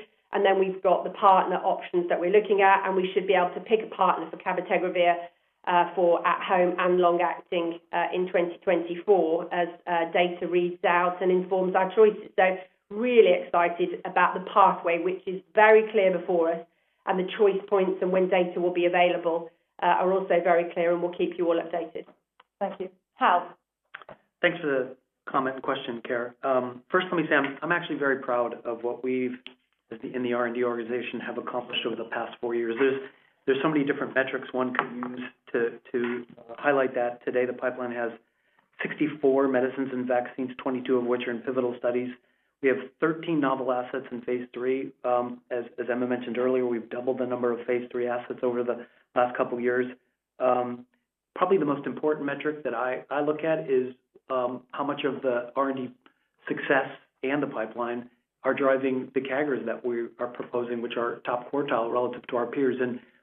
We've got the partner options that we're looking at, and we should be able to pick a partner for cabotegravir. For at-home and long-acting, in 2024 as data reads out and informs our choices. Really excited about the pathway, which is very clear before us and the choice points and when data will be available are also very clear, and we'll keep you all updated. Thank you. Hal. Thanks for the comment and question, Keyur. First let me say I'm actually very proud of what we've in the R&D organization have accomplished over the past four years. There's so many different metrics one could use to highlight that today. The pipeline has 64 medicines and vaccines, 22 of which are in pivotal studies. We have 13 novel assets in phase III. As Emma Walmsley mentioned earlier, we've doubled the number of phase III assets over the last couple of years. Probably the most important metric that I look at is how much of the R&D success and the pipeline are driving the CAGRs that we are proposing, which are top quartile relative to our peers.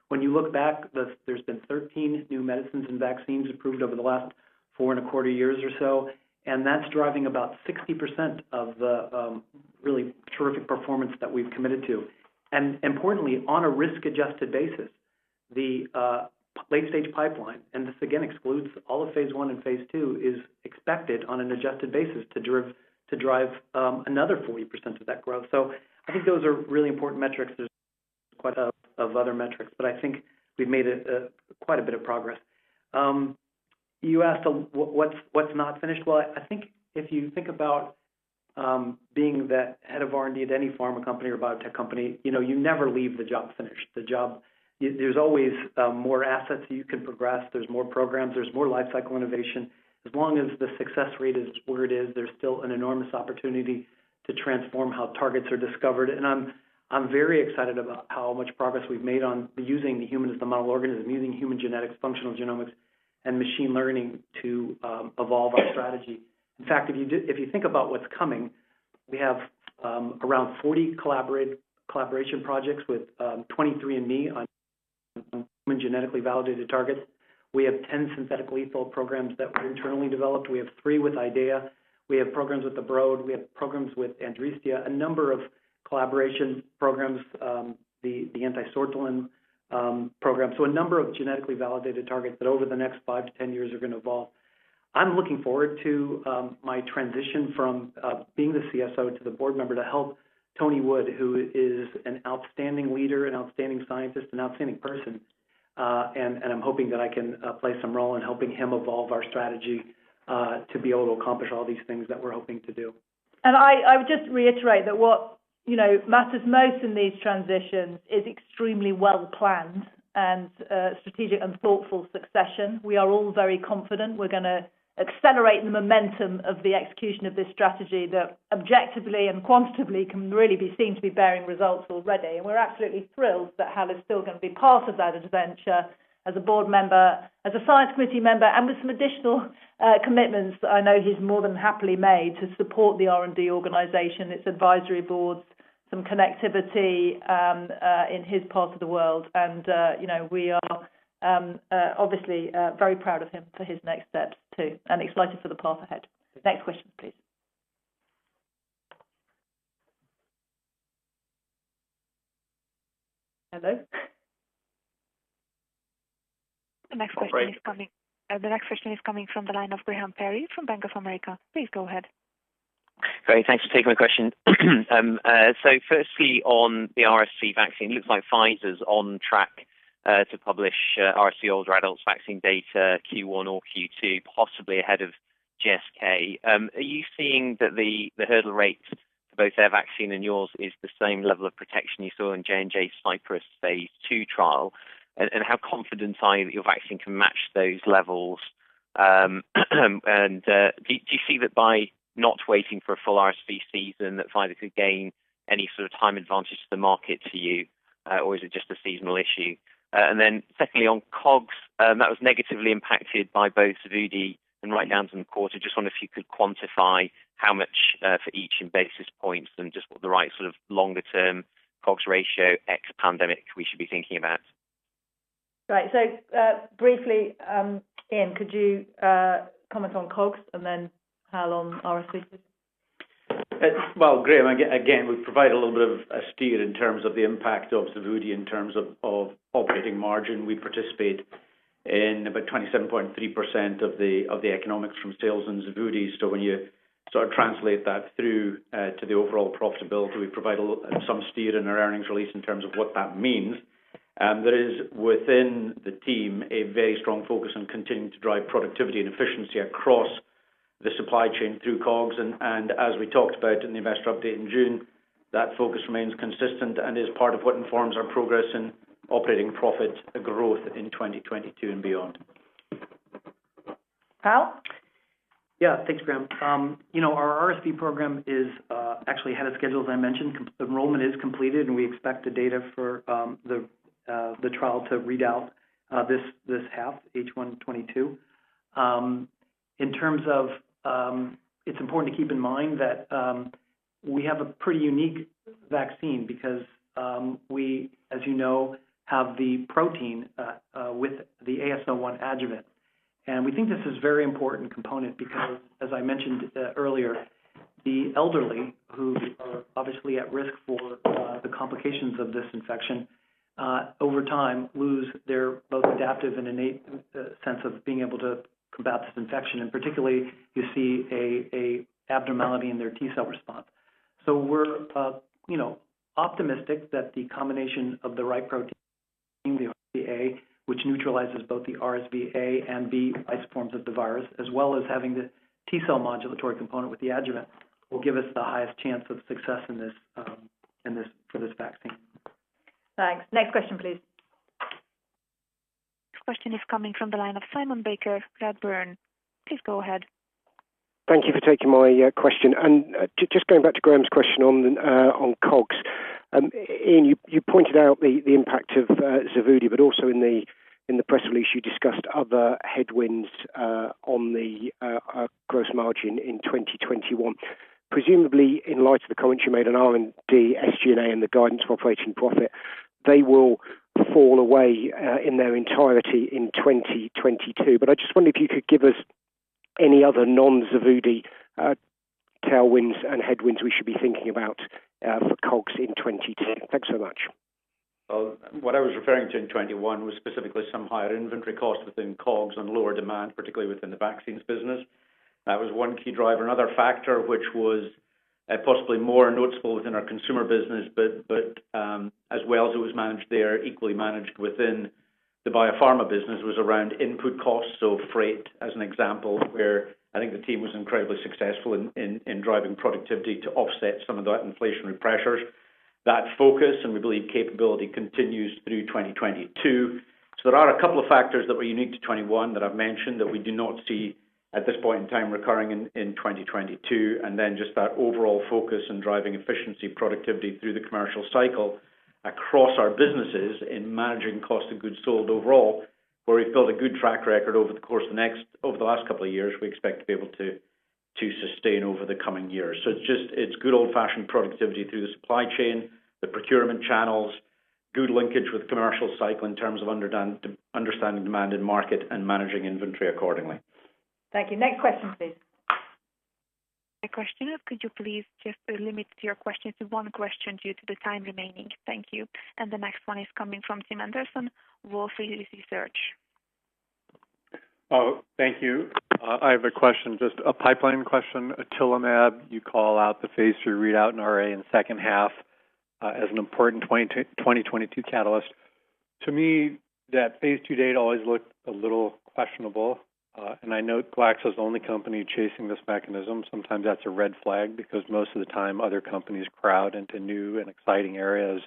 When you look back, there's been 13 new medicines and vaccines approved over the last 4.25 years or so, and that's driving about 60% of the really terrific performance that we've committed to. Importantly, on a risk-adjusted basis, the late-stage pipeline, and this again excludes all of phase I and phase II, is expected on an adjusted basis to drive another 40% of that growth. I think those are really important metrics. There's quite a lot of other metrics, but I think we've made quite a bit of progress. You asked what's not finished. Well, I think if you think about being the head of R&D at any pharma company or biotech company, you know, you never leave the job finished. The job. There's always more assets you can progress. There's more programs, there's more lifecycle innovation. As long as the success rate is where it is, there's still an enormous opportunity to transform how targets are discovered. I'm very excited about how much progress we've made on using the human as the model organism, using human genetics, functional genomics, and machine learning to evolve our strategy. In fact, if you think about what's coming, we have around 40 collaboration projects with 23andMe on genetically validated targets. We have 10 synthetic lethal programs that were internally developed. We have three with IDEAYA Biosciences. We have programs with the Broad Institute, we have programs with Adrestia, a number of collaboration programs, the anti-sortilin program. A number of genetically validated targets that over the next five to 10 years are gonna evolve. I'm looking forward to my transition from being the CSO to the board member to help Tony Wood, who is an outstanding leader, an outstanding scientist, an outstanding person, and I'm hoping that I can play some role in helping him evolve our strategy to be able to accomplish all these things that we're hoping to do. I would just reiterate that what you know matters most in these transitions is extremely well-planned and strategic and thoughtful succession. We are all very confident we're gonna accelerate the momentum of the execution of this strategy that objectively and quantitatively can really be seen to be bearing results already. We're absolutely thrilled that Hal is still gonna be part of that adventure as a board member, as a science committee member, and with some additional commitments that I know he's more than happily made to support the R&D organization, its advisory boards, some connectivity in his part of the world. You know, we are obviously very proud of him for his next steps too and excited for the path ahead. Next question, please. Hello? The next question is coming from the line of Graham Parry from Bank of America. Please go ahead. Great. Thanks for taking my question. So firstly, on the RSV vaccine, looks like Pfizer's on track to publish RSV older adults vaccine data Q1 or Q2, possibly ahead of GSK. Are you seeing that the hurdle rate for both their vaccine and yours is the same level of protection you saw in J&J's CYPRESS phase II trial? And how confident are you that your vaccine can match those levels? Do you see that by not waiting for a full RSV season that Pfizer could gain any sort of time advantage to the market to you? Or is it just a seasonal issue? And then secondly, on COGS, that was negatively impacted by both Xevudy and write-downs in the quarter. Just wonder if you could quantify how much, for each in basis points and just what the right sort of longer-term COGS ratio ex pandemic we should be thinking about? Right. Briefly, Iain, could you comment on COGS and then Hal on RSV? Well, Graham, again, we provide a little bit of a steer in terms of the impact of Xevudy in terms of operating margin. We participate in about 27.3% of the economics from sales in Xevudy. When you sort of translate that through to the overall profitability, we provide some steer in our earnings release in terms of what that means. There is within the team a very strong focus on continuing to drive productivity and efficiency across the supply chain through COGS. As we talked about in the investor update in June, that focus remains consistent and is part of what informs our progress in operating profit growth in 2022 and beyond. Hal? Yeah. Thanks, Graham. You know, our RSV program is actually ahead of schedule, as I mentioned. Enrollment is completed, and we expect the data for the trial to read out this half, H1 2022. In terms of, it's important to keep in mind that we have a pretty unique vaccine because, as you know, we have the protein with the AS01 adjuvant. We think this is very important component because as I mentioned earlier, the elderly who are obviously at risk for the complications of this infection over time lose their both adaptive and innate sense of being able to combat this infection. Particularly you see a abnormality in their T cell response. We're you know optimistic that the combination of the right protein in the RSVPreF3 OA, which neutralizes both the RSV and A and B forms of the virus, as well as having the T cell modulatory component with the adjuvant, will give us the highest chance of success in this for this vaccine. Thanks. Next question, please. This question is coming from the line of Simon Baker, Redburn. Please go ahead. Thank you for taking my question. Just going back to Graham's question on COGS. Ian, you pointed out the impact of Xevudy, but also in the press release, you discussed other headwinds on the gross margin in 2021. Presumably, in light of the comment you made on R&D, SG&A, and the guidance for operating profit, they will fall away in their entirety in 2022. I just wonder if you could give us any other non-Xevudy tailwinds and headwinds we should be thinking about for COGS in 2022. Thanks so much. Well, what I was referring to in 2021 was specifically some higher inventory costs within COGS and lower demand, particularly within the vaccines business. That was one key driver. Another factor which was possibly more noticeable within our consumer business, but as well as it was managed there, equally managed within the biopharma business, was around input costs. Freight as an example, where I think the team was incredibly successful in driving productivity to offset some of that inflationary pressures. That focus, and we believe capability, continues through 2022. There are a couple of factors that were unique to 2021 that I've mentioned that we do not see at this point in time recurring in 2022. just that overall focus in driving efficiency, productivity through the commercial cycle across our businesses in managing cost of goods sold overall, where we've built a good track record over the last couple of years, we expect to be able to sustain over the coming years. It's just good old-fashioned productivity through the supply chain, the procurement channels, good linkage with commercial cycle in terms of understanding demand in market and managing inventory accordingly. Thank you. Next question, please. Next question. Could you please just limit your questions to one question due to the time remaining? Thank you. The next one is coming from Tim Anderson, Wolfe Research. Oh, thank you. I have a question, just a pipeline question. Otilimab, you call out the phase III readout in RA in the second half, as an important 2022 catalyst. To me, that phase II data always looked a little questionable. I know Glaxo's the only company chasing this mechanism. Sometimes that's a red flag because most of the time other companies crowd into new and exciting areas.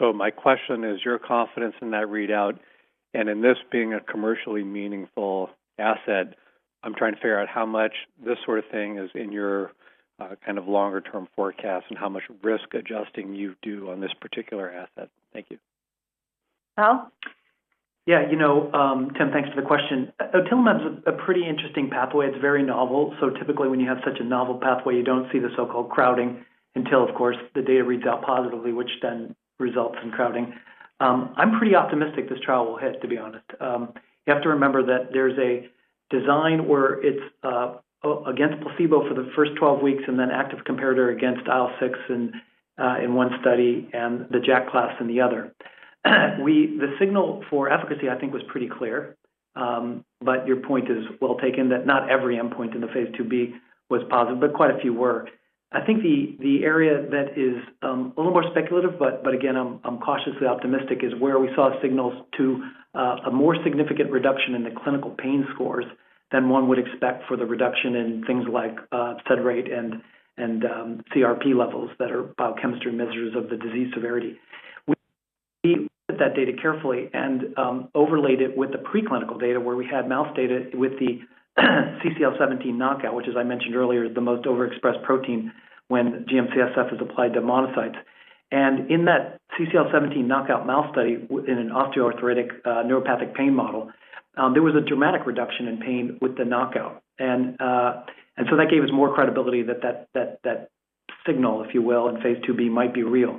My question is your confidence in that readout and in this being a commercially meaningful asset. I'm trying to figure out how much this sort of thing is in your kind of longer term forecast and how much risk adjusting you do on this particular asset. Thank you. Hal? You know, Tim, thanks for the question. Otilimab's a pretty interesting pathway. It's very novel. Typically when you have such a novel pathway, you don't see the so-called crowding until, of course, the data reads out positively, which then results in crowding. I'm pretty optimistic this trial will hit, to be honest. You have to remember that there's a design where it's against placebo for the first 12 weeks and then active comparator against IL-6 in one study and the JAK class in the other. The signal for efficacy, I think, was pretty clear. But your point is well taken that not every endpoint in the phase IIb was positive, but quite a few were. I think the area that is a little more speculative, but again, I'm cautiously optimistic, is where we saw signals to a more significant reduction in the clinical pain scores than one would expect for the reduction in things like sed rate and CRP levels that are biochemistry measures of the disease severity. We looked at that data carefully and overlaid it with the preclinical data where we had mouse data with the CCL17 knockout, which as I mentioned earlier, is the most overexpressed protein when GM-CSF is applied to monocytes. In that CCL17 knockout mouse study in an osteoarthritic neuropathic pain model, there was a dramatic reduction in pain with the knockout. That gave us more credibility that that signal, if you will, in phase IIb might be real.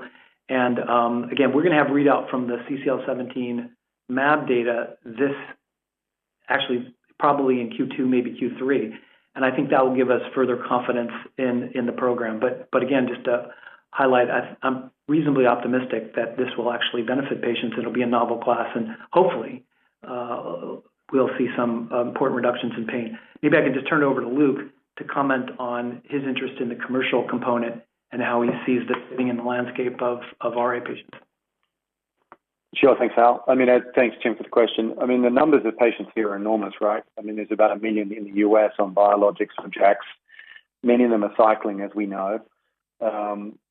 Again, we're gonna have readout from the CCL17 mAb data this. Actually, probably in Q2, maybe Q3. I think that will give us further confidence in the program. Again, just to highlight, I'm reasonably optimistic that this will actually benefit patients. It'll be a novel class, and hopefully, we'll see some important reductions in pain. Maybe I can just turn it over to Luke to comment on his interest in the commercial component and how he sees this fitting in the landscape of RA patients. Sure. Thanks, Hal. I mean, thanks, Tim, for the question. I mean, the numbers of patients here are enormous, right? I mean, there's about 1 million in the U.S. on biologics, on JAKs. Many of them are cycling, as we know.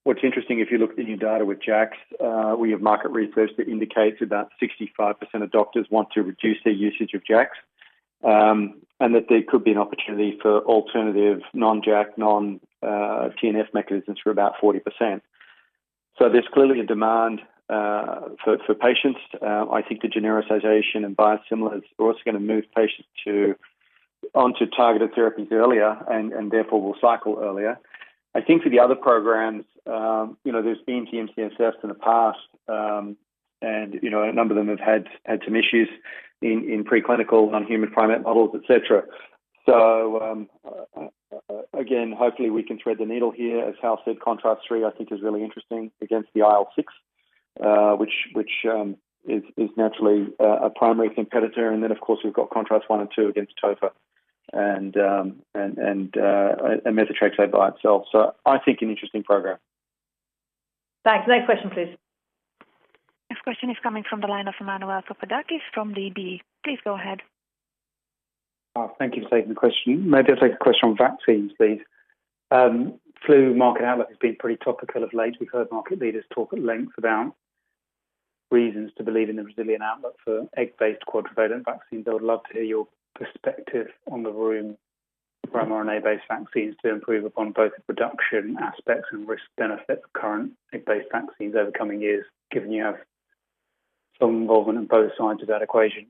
What's interesting, if you look at the new data with JAKs, we have market research that indicates about 65% of doctors want to reduce their usage of JAKs, and that there could be an opportunity for alternative non-JAK, non-TNF mechanisms for about 40%. There's clearly a demand for patients. I think the genericization and biosimilar is also gonna move patients to Onto targeted therapies earlier and therefore will cycle earlier. I think for the other programs, there's been GM-CSF in the past, and a number of them have had some issues in preclinical on non-human primate models, et cetera. Again, hopefully we can thread the needle here. As Hal said, contRAst-3, I think, is really interesting against the IL-6, which is naturally a primary competitor. Then, of course, we've got contRAst-1 and contRAst-2 against tofacitinib and methotrexate by itself. I think an interesting program. Thanks. Next question, please. Next question is coming from the line of Emmanuel Papadakis from DB. Please go ahead. Thank you for taking the question. Maybe I'll take a question on vaccines, please. Flu market outlook has been pretty topical of late. We've heard market leaders talk at length about reasons to believe in the resilient outlook for egg-based quadrivalent vaccines. I would love to hear your perspective on the room for mRNA-based vaccines to improve upon both the production aspects and risk benefits of current egg-based vaccines over the coming years, given you have some involvement on both sides of that equation.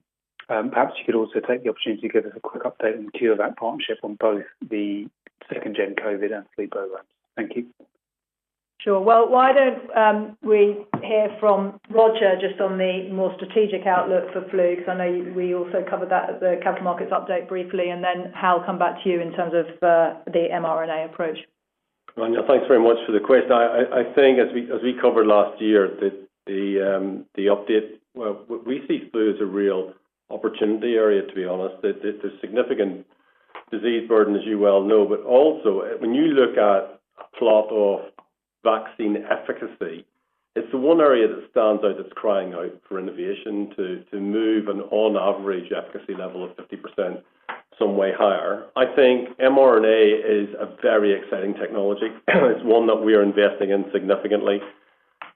Perhaps you could also take the opportunity to give us a quick update on CureVac partnership on both the second-gen COVID and flu programs. Thank you. Sure. Well, why don't we hear from Roger just on the more strategic outlook for flu? 'Cause I know we also covered that at the capital markets update briefly, and then, Hal, come back to you in terms of the mRNA approach. Emmanuel, thanks very much for the question. I think as we covered last year that the update. Well, we see flu as a real opportunity area, to be honest. There's significant disease burden, as you well know. But also, when you look at a plot of vaccine efficacy, it's the one area that stands out that's crying out for innovation to move an on average efficacy level of 50% some way higher. I think mRNA is a very exciting technology. It's one that we are investing in significantly.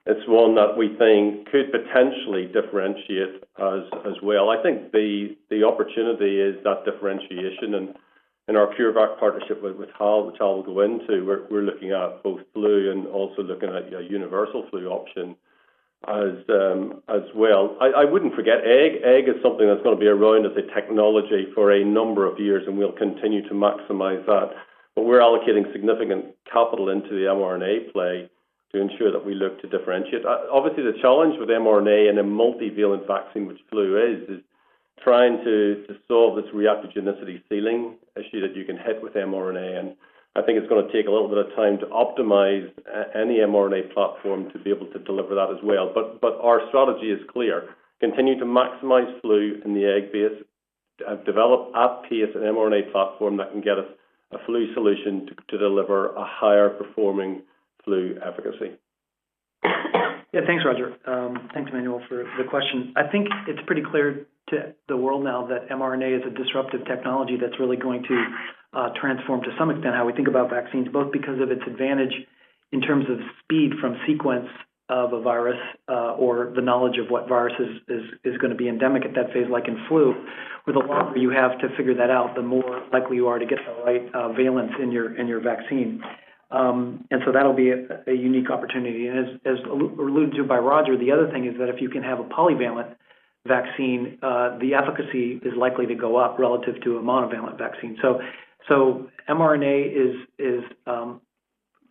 It's one that we think could potentially differentiate as well. I think the opportunity is that differentiation. In our CureVac partnership with Hal, which Hal will go into, we're looking at both flu and also looking at a universal flu option as well. I wouldn't forget egg. Egg is something that's going to be around as a technology for a number of years, and we'll continue to maximize that. We're allocating significant capital into the mRNA play to ensure that we look to differentiate. Obviously, the challenge with mRNA and a multivalent vaccine, which flu is trying to solve this reactogenicity ceiling issue that you can hit with mRNA. I think it's gonna take a little bit of time to optimize any mRNA platform to be able to deliver that as well. Our strategy is clear. Continue to maximize flu in the egg base and develop at pace an mRNA platform that can get us a flu solution to deliver a higher performing flu efficacy. Yeah. Thanks, Roger. Thanks Emmanuel for the question. I think it's pretty clear to the world now that mRNA is a disruptive technology that's really going to transform to some extent how we think about vaccines, both because of its advantage in terms of speed from sequence of a virus or the knowledge of what virus is gonna be endemic at that phase, like in flu. With the longer you have to figure that out, the more likely you are to get the right valence in your vaccine. That'll be a unique opportunity. As alluded to by Roger, the other thing is that if you can have a polyvalent vaccine, the efficacy is likely to go up relative to a monovalent vaccine. mRNA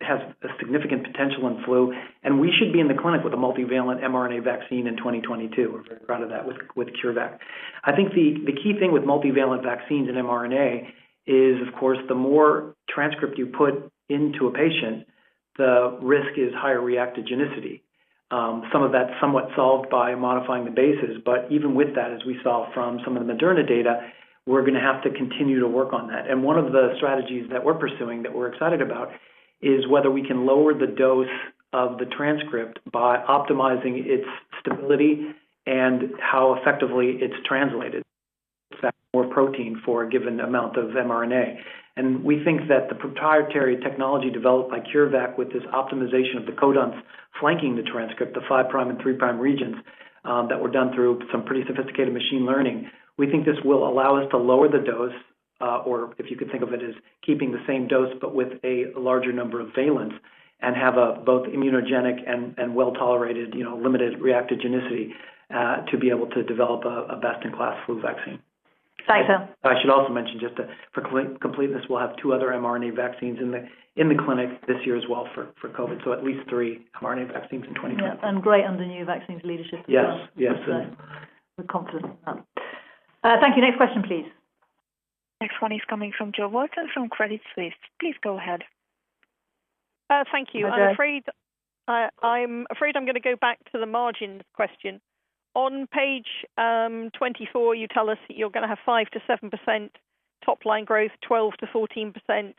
has a significant potential in flu, and we should be in the clinic with a multivalent mRNA vaccine in 2022. We're very proud of that with CureVac. I think the key thing with multivalent vaccines and mRNA is, of course, the more transcript you put into a patient, the risk is higher reactogenicity. Some of that's somewhat solved by modifying the bases. But even with that, as we saw from some of the Moderna data, we're gonna have to continue to work on that. One of the strategies that we're pursuing, that we're excited about is whether we can lower the dose of the transcript by optimizing its stability and how effectively it's translated. In fact, more protein for a given amount of mRNA. We think that the proprietary technology developed by CureVac with this optimization of the codons flanking the transcript, the five-prime and three-prime regions, that were done through some pretty sophisticated machine learning. We think this will allow us to lower the dose, or if you could think of it as keeping the same dose, but with a larger number of valence and both immunogenic and well-tolerated, you know, limited reactogenicity, to be able to develop a best-in-class flu vaccine. Thanks, Hal. I should also mention just for completeness, we'll have two other mRNA vaccines in the clinic this year as well for COVID. At least three mRNA vaccines in 2022. Yeah. Great under new vaccines leadership as well. Yes. Yes. We're confident in that. Thank you. Next question, please. Next one is coming from Jo Walton from Credit Suisse. Please go ahead. Thank you. Hi, Jo. I'm afraid I'm gonna go back to the margin question. On page 24, you tell us that you're gonna have 5%-7% top line growth, 12%-14%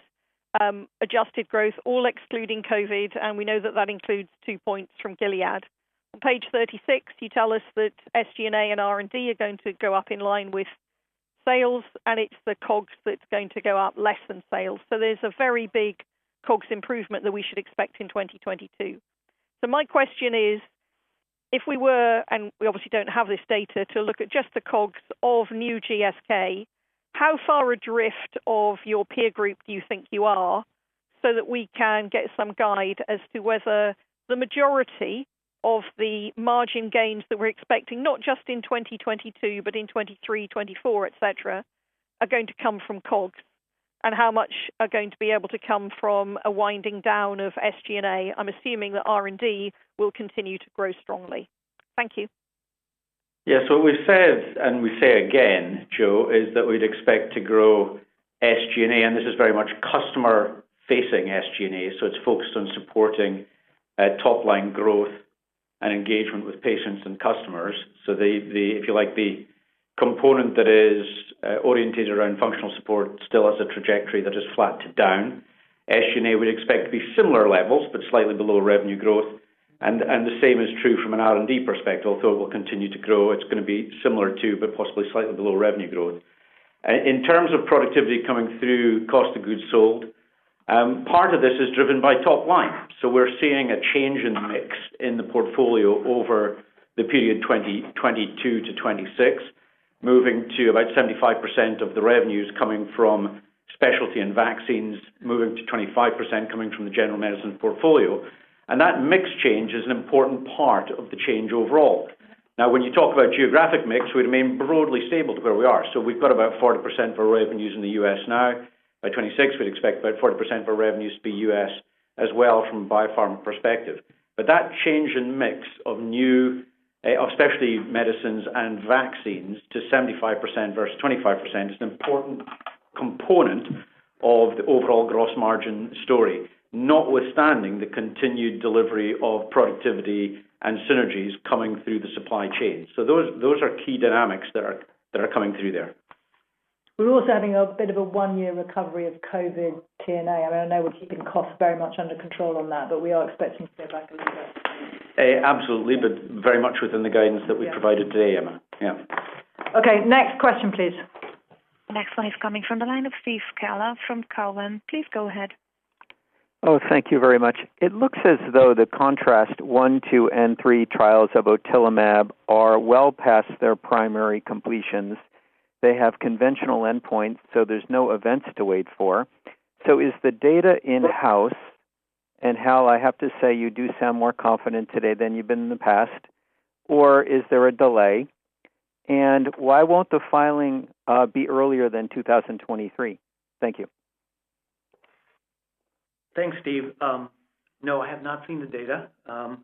adjusted growth, all excluding COVID, and we know that that includes two points from Gilead. On page 36, you tell us that SG&A and R&D are going to go up in line with sales, and it's the COGS that's going to go up less than sales. There's a very big COGS improvement that we should expect in 2022. My question is, if we were, and we obviously don't have this data, to look at just the COGS of new GSK, how far adrift of your peer group do you think you are? So that we can get some guide as to whether the majority of the margin gains that we're expecting, not just in 2022, but in 2023, 2024, et cetera, are going to come from COGS and how much are going to be able to come from a winding down of SG&A. I'm assuming that R&D will continue to grow strongly. Thank you. We said, and we say again, Jo, is that we'd expect to grow SG&A, and this is very much customer-facing SG&A, so it's focused on supporting top-line growth and engagement with patients and customers. If you like, the component that is oriented around functional support still has a trajectory that is flat to down. SG&A, we'd expect to be similar levels, but slightly below revenue growth. The same is true from an R&D perspective. Although it will continue to grow, it's gonna be similar to, but possibly slightly below revenue growth. In terms of productivity coming through cost of goods sold, part of this is driven by top line. We're seeing a change in mix in the portfolio over the period 2022-2026, moving to about 75% of the revenues coming from specialty and vaccines, moving to 25% coming from the general medicine portfolio. That mix change is an important part of the change overall. Now, when you talk about geographic mix, we remain broadly stable to where we are. We've got about 40% for revenues in the U.S. now. By 2026, we'd expect about 40% for revenues to be U.S. as well from biopharma perspective. That change in mix of new, especially medicines and vaccines to 75% versus 25% is an important component of the overall gross margin story, notwithstanding the continued delivery of productivity and synergies coming through the supply chain. Those are key dynamics that are coming through there. We're also having a bit of a one-year recovery of COVID T&A. I mean, I know we're keeping costs very much under control on that, but we are expecting to go back a little bit. Absolutely, but very much within the guidance that we've provided today, Emma. Yeah. Okay. Next question, please. Next one is coming from the line of Steve Scala from Cowen. Please go ahead. Thank you very much. It looks as though the contRAst-1, 2, and 3 trials of otilimab are well past their primary completions. They have conventional endpoints, so there's no events to wait for. Is the data in-house? Hal, I have to say, you do sound more confident today than you've been in the past. Is there a delay? Why won't the filing be earlier than 2023? Thank you. Thanks, Steve. No, I have not seen the data. I'd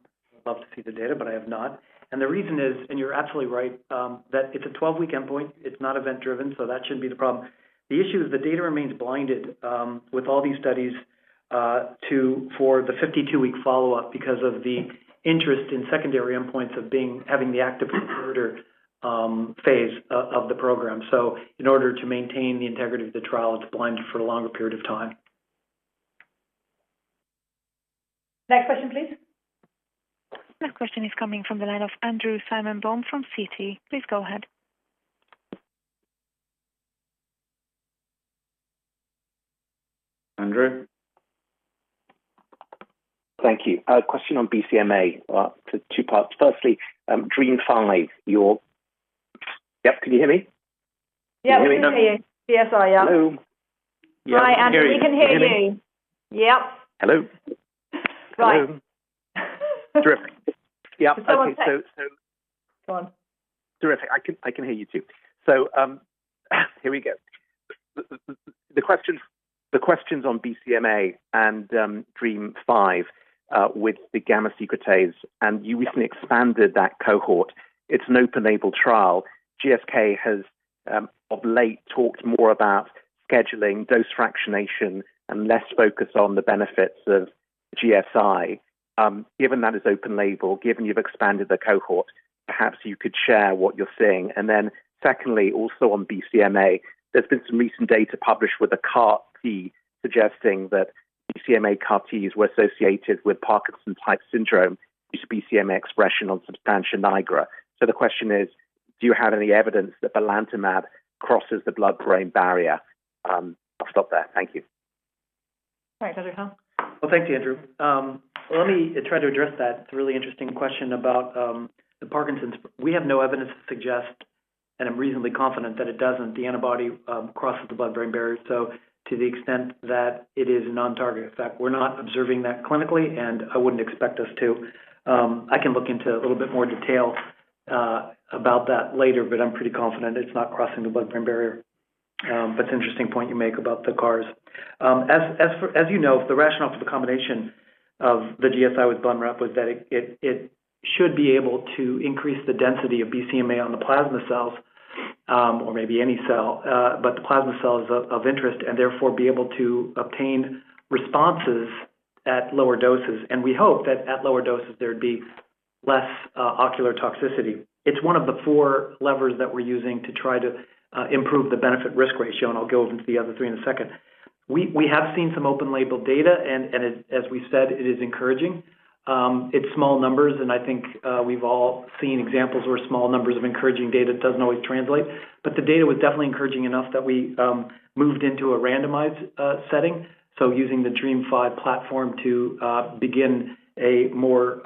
love to see the data, but I have not. The reason is, and you're absolutely right, that it's a 12-week endpoint. It's not event-driven, so that shouldn't be the problem. The issue is the data remains blinded with all these studies for the 52-week follow-up because of the interest in secondary endpoints of having the active recruitment phase of the program. In order to maintain the integrity of the trial, it's blinded for a longer period of time. Next question, please. Next question is coming from the line of Andrew Baum from Citi. Please go ahead. Andrew? Thank you. A question on BCMA. Two parts. Firstly, DREAMM-5. Yep, can you hear me? Yeah, we can hear you. Can you hear me now? Yes, I am. Hello? Right, Andrew, we can hear you. Can you hear me? Yep. Hello? Right. Terrific. Yeah. Okay. Go on. Terrific. I can hear you too. Here we go. The question's on BCMA and DREAMM-5 with the gamma-secretase, and you recently expanded that cohort. It's an open-label trial. GSK has of late talked more about scheduling dose fractionation and less focus on the benefits of GSI. Given that it's open-label, given you've expanded the cohort, perhaps you could share what you're seeing. Then secondly, also on BCMA, there's been some recent data published with a CAR T suggesting that BCMA CAR Ts were associated with Parkinson's-type syndrome due to BCMA expression on substantia nigra. The question is, do you have any evidence that belantamab crosses the blood-brain barrier? I'll stop there. Thank you. All right, Dr. Hal. Well, thanks, Andrew. Let me try to address that. It's a really interesting question about the Parkinson's. We have no evidence to suggest, and I'm reasonably confident that it doesn't, the antibody crosses the blood-brain barrier. So to the extent that it is a non-target effect, we're not observing that clinically, and I wouldn't expect us to. I can look into a little bit more detail about that later, but I'm pretty confident it's not crossing the blood-brain barrier. It's an interesting point you make about the CARs. As you know, the rationale for the combination of the GSI with belantamab was that it should be able to increase the density of BCMA on the plasma cells, or maybe any cell, but the plasma cell is of interest, and therefore be able to obtain responses at lower doses. We hope that at lower doses, there'd be less ocular toxicity. It's one of the four levers that we're using to try to improve the benefit-risk ratio, and I'll go into the other three in a second. We have seen some open-label data and as we said, it is encouraging. It's small numbers, and I think we've all seen examples where small numbers of encouraging data doesn't always translate. The data was definitely encouraging enough that we moved into a randomized setting, so using the DREAMM-5 platform to begin a more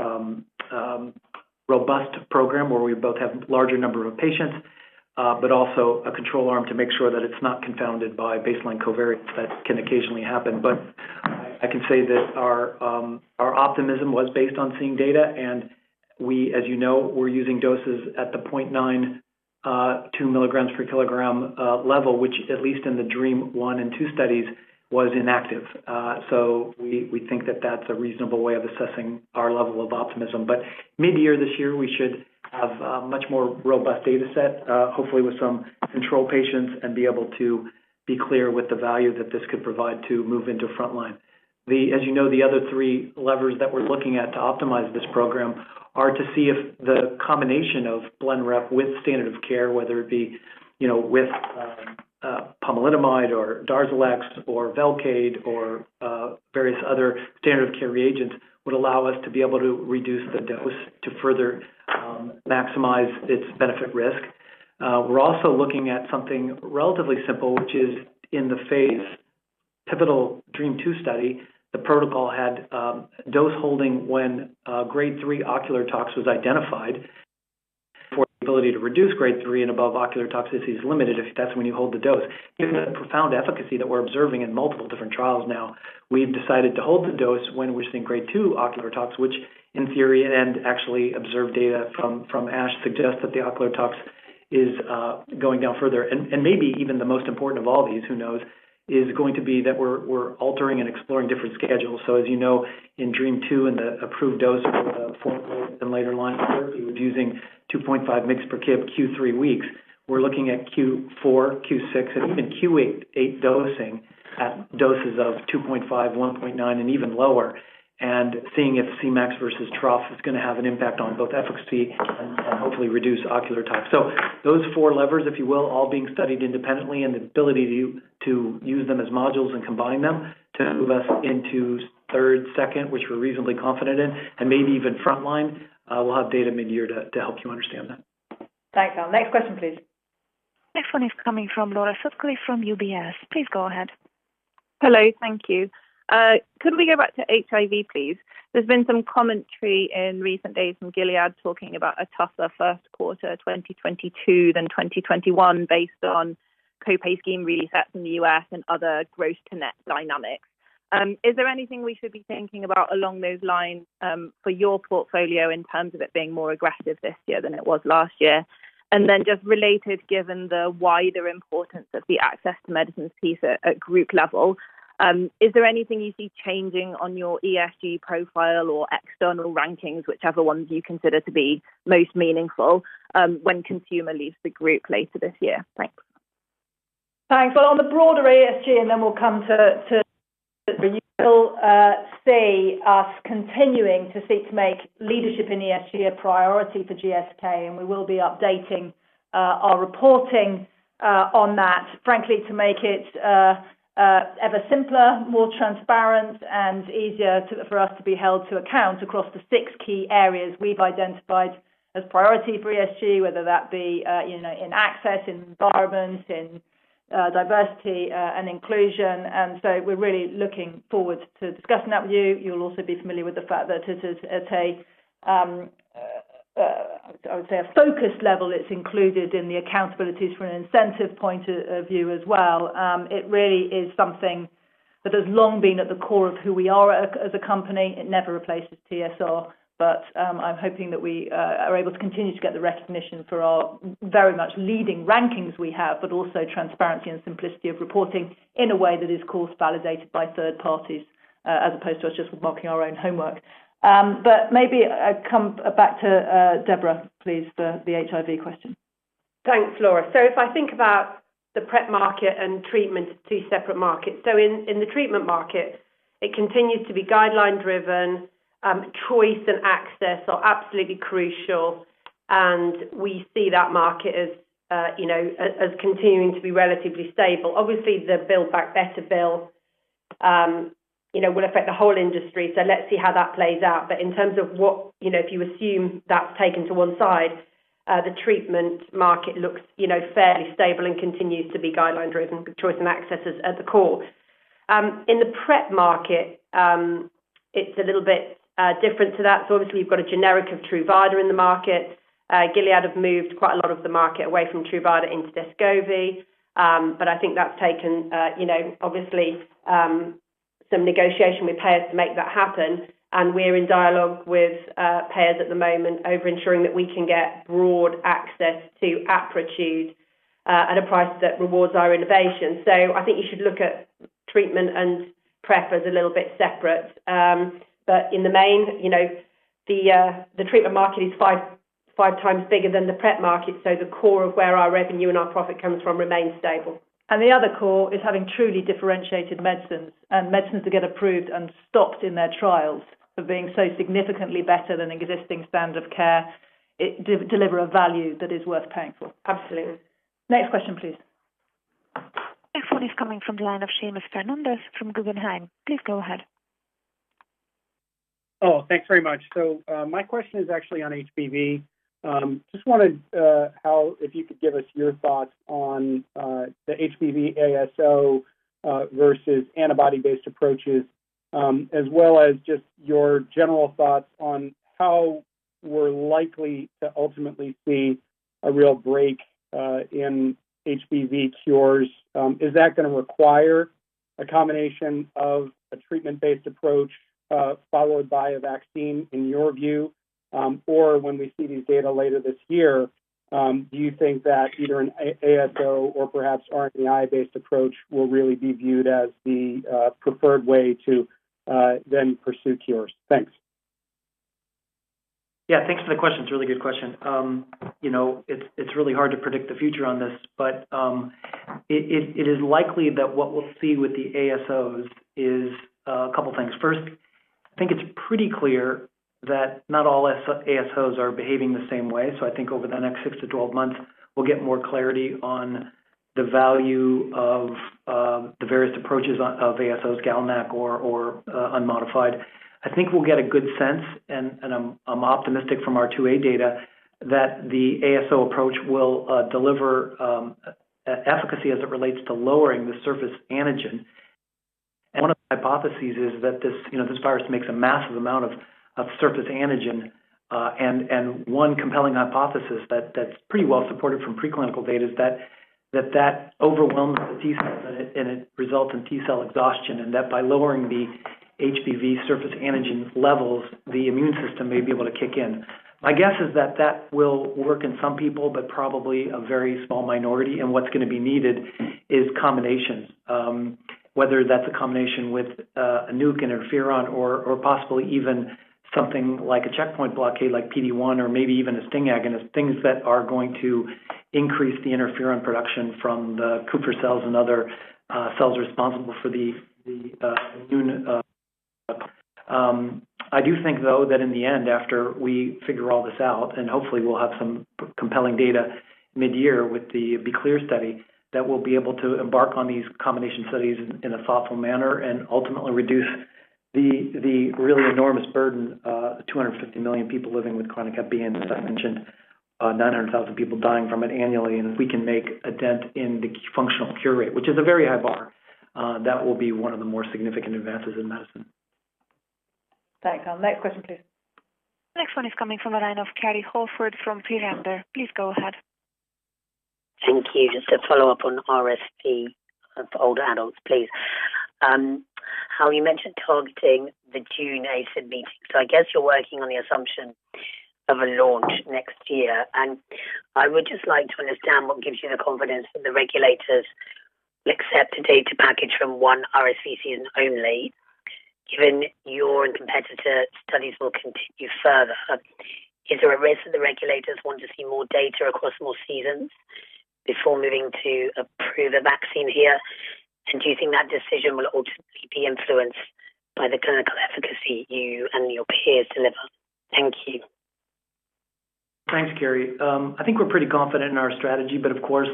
robust program where we both have larger number of patients, but also a control arm to make sure that it's not confounded by baseline covariates that can occasionally happen. I can say that our optimism was based on seeing data, and we, as you know, we're using doses at the 0.92 milligrams per kilogram level, which at least in the DREAMM-1 and DREAMM-2 studies was inactive. We think that that's a reasonable way of assessing our level of optimism. Mid-year this year, we should have a much more robust data set, hopefully with some control patients and be able to be clear with the value that this could provide to move into frontline. As you know, the other three levers that we're looking at to optimize this program are to see if the combination of BLENREP with standard of care, whether it be, you know, with pomalidomide or Darzalex or Velcade or various other standard of care regimens, would allow us to be able to reduce the dose to further maximize its benefit risk. We're also looking at something relatively simple, which is in the phase pivotal DREAMM-2 study, the protocol had dose holding when grade 3 ocular tox was identified. For the ability to reduce grade 3 and above ocular toxicity is limited if that's when you hold the dose. Given the profound efficacy that we're observing in multiple different trials now, we've decided to hold the dose when we're seeing grade 2 ocular tox, which in theory and actually observed data from Ash suggests that the ocular tox is going down further. And maybe even the most important of all these, who knows, is going to be that we're altering and exploring different schedules. As you know, in DREAMM-2 and the approved dose for fourth-line and later therapy was using 2.5 mg/kg q3 weeks. We're looking at q4, q6, and even q8 dosing at doses of 2.5, 1.9, and even lower. Seeing if Cmax versus trough is going to have an impact on both efficacy and hopefully reduce ocular tox. Those four levers, if you will, all being studied independently and the ability to use them as modules and combine them to move us into third, second, which we're reasonably confident in, and maybe even frontline. We'll have data mid-year to help you understand that. Thanks. Next question, please. Next one is coming from Laura Sutcliffe from UBS. Please go ahead. Hello. Thank you. Could we go back to HIV, please? There's been some commentary in recent days from Gilead talking about a tougher first quarter 2022 than 2021 based on co-pay scheme resets in the U.S. and other gross-to-net dynamics. Is there anything we should be thinking about along those lines, for your portfolio in terms of it being more aggressive this year than it was last year? Just related, given the wider importance of the access to medicines piece at group level, is there anything you see changing on your ESG profile or external rankings, whichever ones you consider to be most meaningful, when Consumer leaves the group later this year? Thanks. Thanks. Well, on the broader ESG, and then we'll come to Deborah, you will see us continuing to seek to make leadership in ESG a priority for GSK, and we will be updating our reporting on that, frankly, to make it ever simpler, more transparent, and easier for us to be held to account across the six key areas we've identified as priority for ESG, whether that be, you know, in access, in environment, in diversity, and inclusion. We're really looking forward to discussing that with you. You'll also be familiar with the fact that it is at a focus level that's included in the accountabilities from an incentive point of view as well. It really is something that has long been at the core of who we are as a company. It never replaces TSR, but I'm hoping that we are able to continue to get the recognition for our very much leading rankings we have, but also transparency and simplicity of reporting in a way that is, of course, validated by third parties, as opposed to us just marking our own homework. Maybe come back to Deborah, please, for the HIV question. Thanks, Laura. If I think about the PrEP market and treatment as two separate markets. In the treatment market, it continues to be guideline-driven. Choice and access are absolutely crucial, and we see that market as, you know, as continuing to be relatively stable. Obviously, the Build Back Better bill, you know, will affect the whole industry. Let's see how that plays out. In terms of what, you know, if you assume that's taken to one side, the treatment market looks, you know, fairly stable and continues to be guideline-driven with choice and access as the core. In the PrEP market, it's a little bit different to that. Obviously, you've got a generic of Truvada in the market. Gilead have moved quite a lot of the market away from Truvada into Descovy. I think that's taken, you know, obviously, some negotiation with payers to make that happen. We're in dialogue with payers at the moment over ensuring that we can get broad access to Apretude at a price that rewards our innovation. I think you should look at treatment and PrEP as a little bit separate. In the main, you know, the treatment market is five times bigger than the PrEP market. The core of where our revenue and our profit comes from remains stable. The other core is having truly differentiated medicines and medicines that get approved and stopped in their trials for being so significantly better than existing standard of care. It deliver a value that is worth paying for. Absolutely. Next question, please. Next one is coming from the line of Seamus Fernandez from Guggenheim. Please go ahead. Oh, thanks very much. My question is actually on HBV. Just wanted, Hal, if you could give us your thoughts on the HBV ASO versus antibody-based approaches. As well as just your general thoughts on how we're likely to ultimately see a real break in HBV cures. Is that gonna require a combination of a treatment-based approach followed by a vaccine in your view? Or when we see these data later this year, do you think that either an ASO or perhaps RNAi-based approach will really be viewed as the preferred way to then pursue cures? Thanks. Yeah. Thanks for the question. It's a really good question. You know, it's really hard to predict the future on this, but it is likely that what we'll see with the ASOs is a couple things. First, I think it's pretty clear that not all S-ASOs are behaving the same way. I think over the next 6-12 months, we'll get more clarity on the value of the various approaches of ASOs, GalNAc or unmodified. I think we'll get a good sense, and I'm optimistic from our 2A data that the ASO approach will deliver efficacy as it relates to lowering the surface antigen. One of the hypotheses is that this, you know, this virus makes a massive amount of surface antigen, and one compelling hypothesis that's pretty well supported from preclinical data is that that overwhelms the T cell, and it results in T cell exhaustion. That by lowering the HBV surface antigen levels, the immune system may be able to kick in. My guess is that that will work in some people, but probably a very small minority, and what's gonna be needed is combinations. Whether that's a combination with a nuke interferon or possibly even something like a checkpoint blockade like PD-1 or maybe even a STING agonist, things that are going to increase the interferon production from the Kupffer cells and other cells responsible for the immune. I do think, though, that in the end, after we figure all this out, and hopefully we'll have some compelling data midyear with the B-Clear study, that we'll be able to embark on these combination studies in a thoughtful manner and ultimately reduce the really enormous burden of 250 million people living with chronic HBV. As I mentioned, 900,000 people dying from it annually. If we can make a dent in the functional cure rate, which is a very high bar, that will be one of the more significant advances in medicine. Thanks. Next question, please. Next one is coming from the line of Kerry Holford from Berenberg. Please go ahead. Thank you. Just to follow up on RSV of older adults, please. Hal, you mentioned targeting the June ACIP meeting. I guess you're working on the assumption of a launch next year. I would just like to understand what gives you the confidence that the regulators accept a data package from one RSV season only, given your and competitor studies will continue further. Is there a risk that the regulators want to see more data across more seasons before moving to approve a vaccine here? Do you think that decision will ultimately be influenced by the clinical efficacy you and your peers deliver? Thank you. Thanks, Kerry. I think we're pretty confident in our strategy, but of course,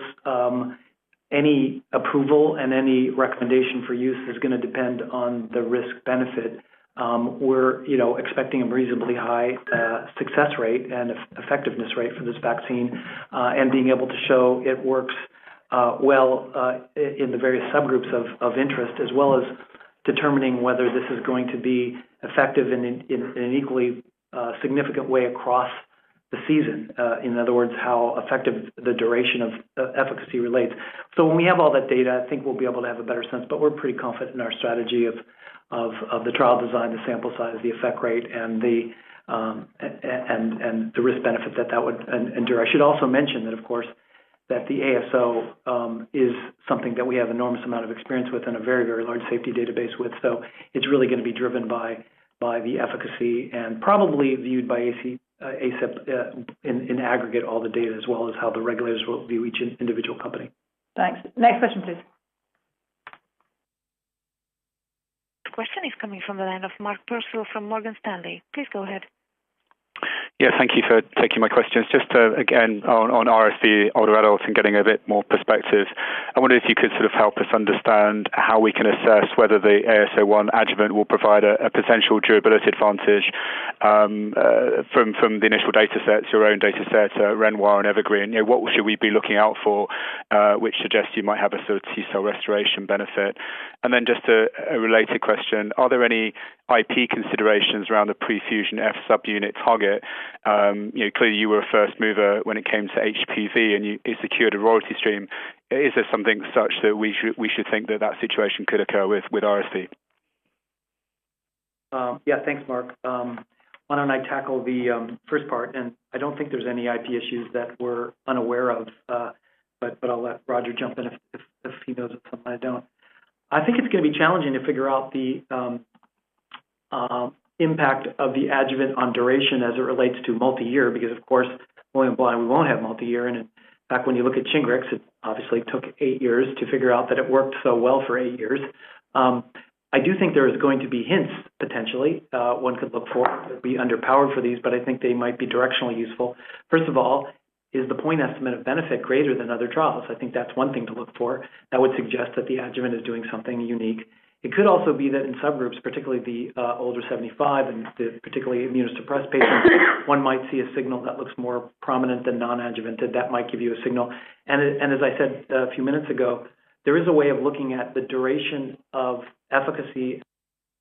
any approval and any recommendation for use is gonna depend on the risk-benefit. We're, you know, expecting a reasonably high success rate and effectiveness rate for this vaccine, and being able to show it works well in the various subgroups of interest, as well as determining whether this is going to be effective in an equally significant way across the season. In other words, how effective the duration of efficacy relates. When we have all that data, I think we'll be able to have a better sense, but we're pretty confident in our strategy of the trial design, the sample size, the effect rate, and the risk benefit that that would endure. I should also mention that, of course, that the ASO is something that we have enormous amount of experience with and a very, very large safety database with. It's really gonna be driven by the efficacy and probably viewed by ACIP in aggregate all the data as well as how the regulators will view each individual company. Thanks. Next question, please. Question is coming from the line of Mark Purcell from Morgan Stanley. Please go ahead. Yeah. Thank you for taking my questions. Just again on RSV older adults and getting a bit more perspective, I wonder if you could sort of help us understand how we can assess whether the AS01 adjuvant will provide a potential durability advantage from the initial datasets, your own datasets, Renoir and Evergreen. You know, what should we be looking out for which suggests you might have a sort of T cell restoration benefit? And then just a related question. Are there any IP considerations around the pre-fusion F subunit target? You know, clearly you were a first mover when it came to HPV, and you secured a royalty stream. Is there something such that we should think that that situation could occur with RSV? Yeah. Thanks, Mark. Why don't I tackle the first part? I don't think there's any IP issues that we're unaware of, but I'll let Roger jump in if he knows of something I don't. I think it's gonna be challenging to figure out the impact of the adjuvant on duration as it relates to multi-year because, of course, point-in-time blind, we won't have multi-year. In fact, when you look at Shingrix, it obviously took eight years to figure out that it worked so well for eight years. I do think there is going to be hints potentially one could look for. It'd be underpowered for these, but I think they might be directionally useful. First of all, is the point estimate of benefit greater than other trials? I think that's one thing to look for that would suggest that the adjuvant is doing something unique. It could also be that in subgroups, particularly the older 75 and the particularly immunosuppressed patients, one might see a signal that looks more prominent than non-adjuvanted. That might give you a signal. As I said a few minutes ago, there is a way of looking at the duration of efficacy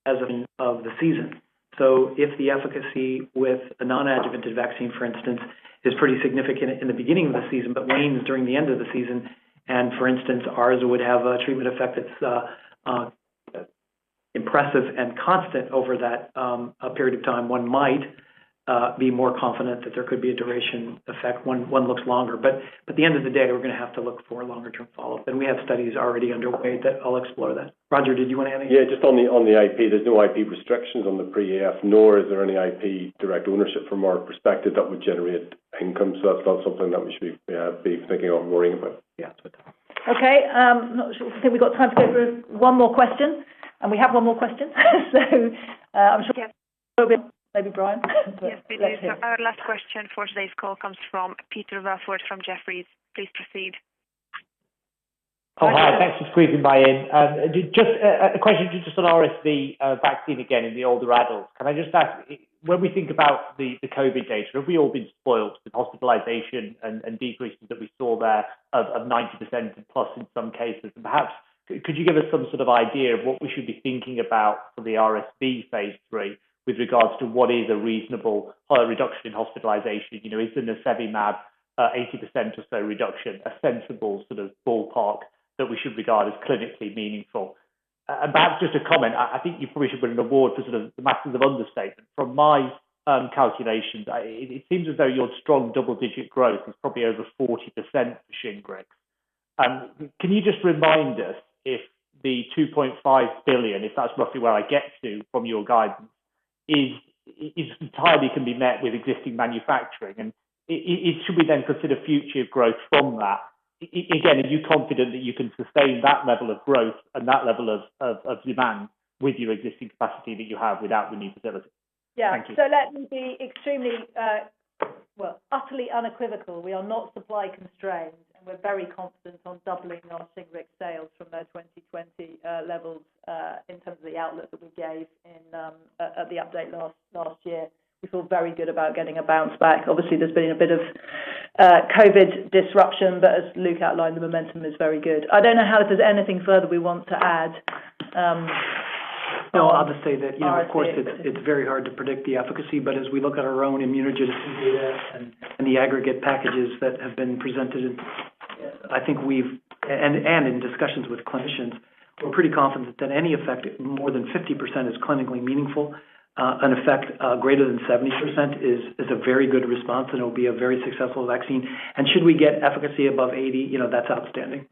as of the season. If the efficacy with a non-adjuvanted vaccine, for instance, is pretty significant in the beginning of the season, but wanes during the end of the season, and for instance, ours would have a treatment effect that's impressive and constant over that period of time, one might be more confident that there could be a duration effect when one looks longer. At the end of the day, we're going to have to look for a longer-term follow-up. We have studies already underway that I'll explore. Roger, did you want to add anything? Yeah, just on the IP. There's no IP restrictions on the PreF, nor is there any IP direct ownership from our perspective that would generate income. That's not something that we should be thinking of worrying about. Okay. Not sure. I think we've got time to go through one more question, and we have one more question. I'm sure maybe Brian. Yes, we do. Our last question for today's call comes from Peter Welford from Jefferies. Please proceed. Oh, hi. Thanks for squeezing me in. Just a question just on RSV vaccine again in the older adults. Can I just ask, when we think about the COVID data, have we all been spoiled to the hospitalization and decreases that we saw there of 90% plus in some cases? Perhaps could you give us some sort of idea of what we should be thinking about for the RSV phase III with regards to what is a reasonable reduction in hospitalization? You know, is it in the nirsevimab 80% or so reduction, a sensible sort of ballpark that we should regard as clinically meaningful. And perhaps just a comment, I think you probably should win an award for sort of the master of understatement. From my calculations, it seems as though your strong double-digit growth is probably over 40% for Shingrix. Can you just remind us if the 2.5 billion, if that's roughly where I get to from your guidance, is entirely can be met with existing manufacturing? Should we then consider future growth from that? Again, are you confident that you can sustain that level of growth and that level of demand with your existing capacity that you have without the need to deliver? Thank you. Let me be extremely utterly unequivocal. We are not supply constrained, and we're very confident on doubling our Shingrix sales from those 2020 levels in terms of the outlook that we gave in at the update last year. We feel very good about getting a bounce back. Obviously, there's been a bit of COVID disruption, but as Luke outlined, the momentum is very good. I don't know how if there's anything further we want to add. No, I'll just say that, you know, of course, it's very hard to predict the efficacy. But as we look at our own immunogenicity data and the aggregate packages that have been presented, I think and in discussions with clinicians, we're pretty confident that any effect more than 50% is clinically meaningful. An effect greater than 70% is a very good response, and it'll be a very successful vaccine. Should we get efficacy above 80%, you know, that's outstanding.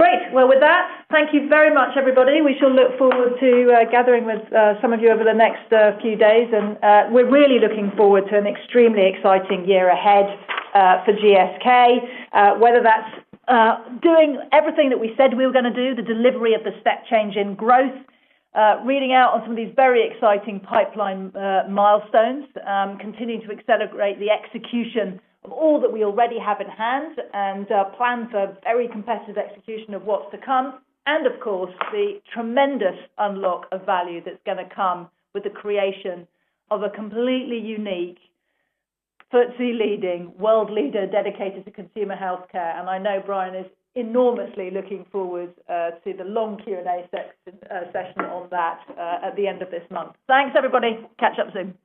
Great. Well, with that, thank you very much, everybody. We shall look forward to gathering with some of you over the next few days. We're really looking forward to an extremely exciting year ahead for GSK. Whether that's doing everything that we said we were going to do, the delivery of the step change in growth, reading out on some of these very exciting pipeline milestones, continuing to accelerate the execution of all that we already have at hand and plan for very competitive execution of what's to come, and of course, the tremendous unlock of value that's going to come with the creation of a completely unique FTSE leading world leader dedicated to consumer healthcare. I know Brian is enormously looking forward to the long Q&A session on that at the end of this month. Thanks, everybody. Catch up soon.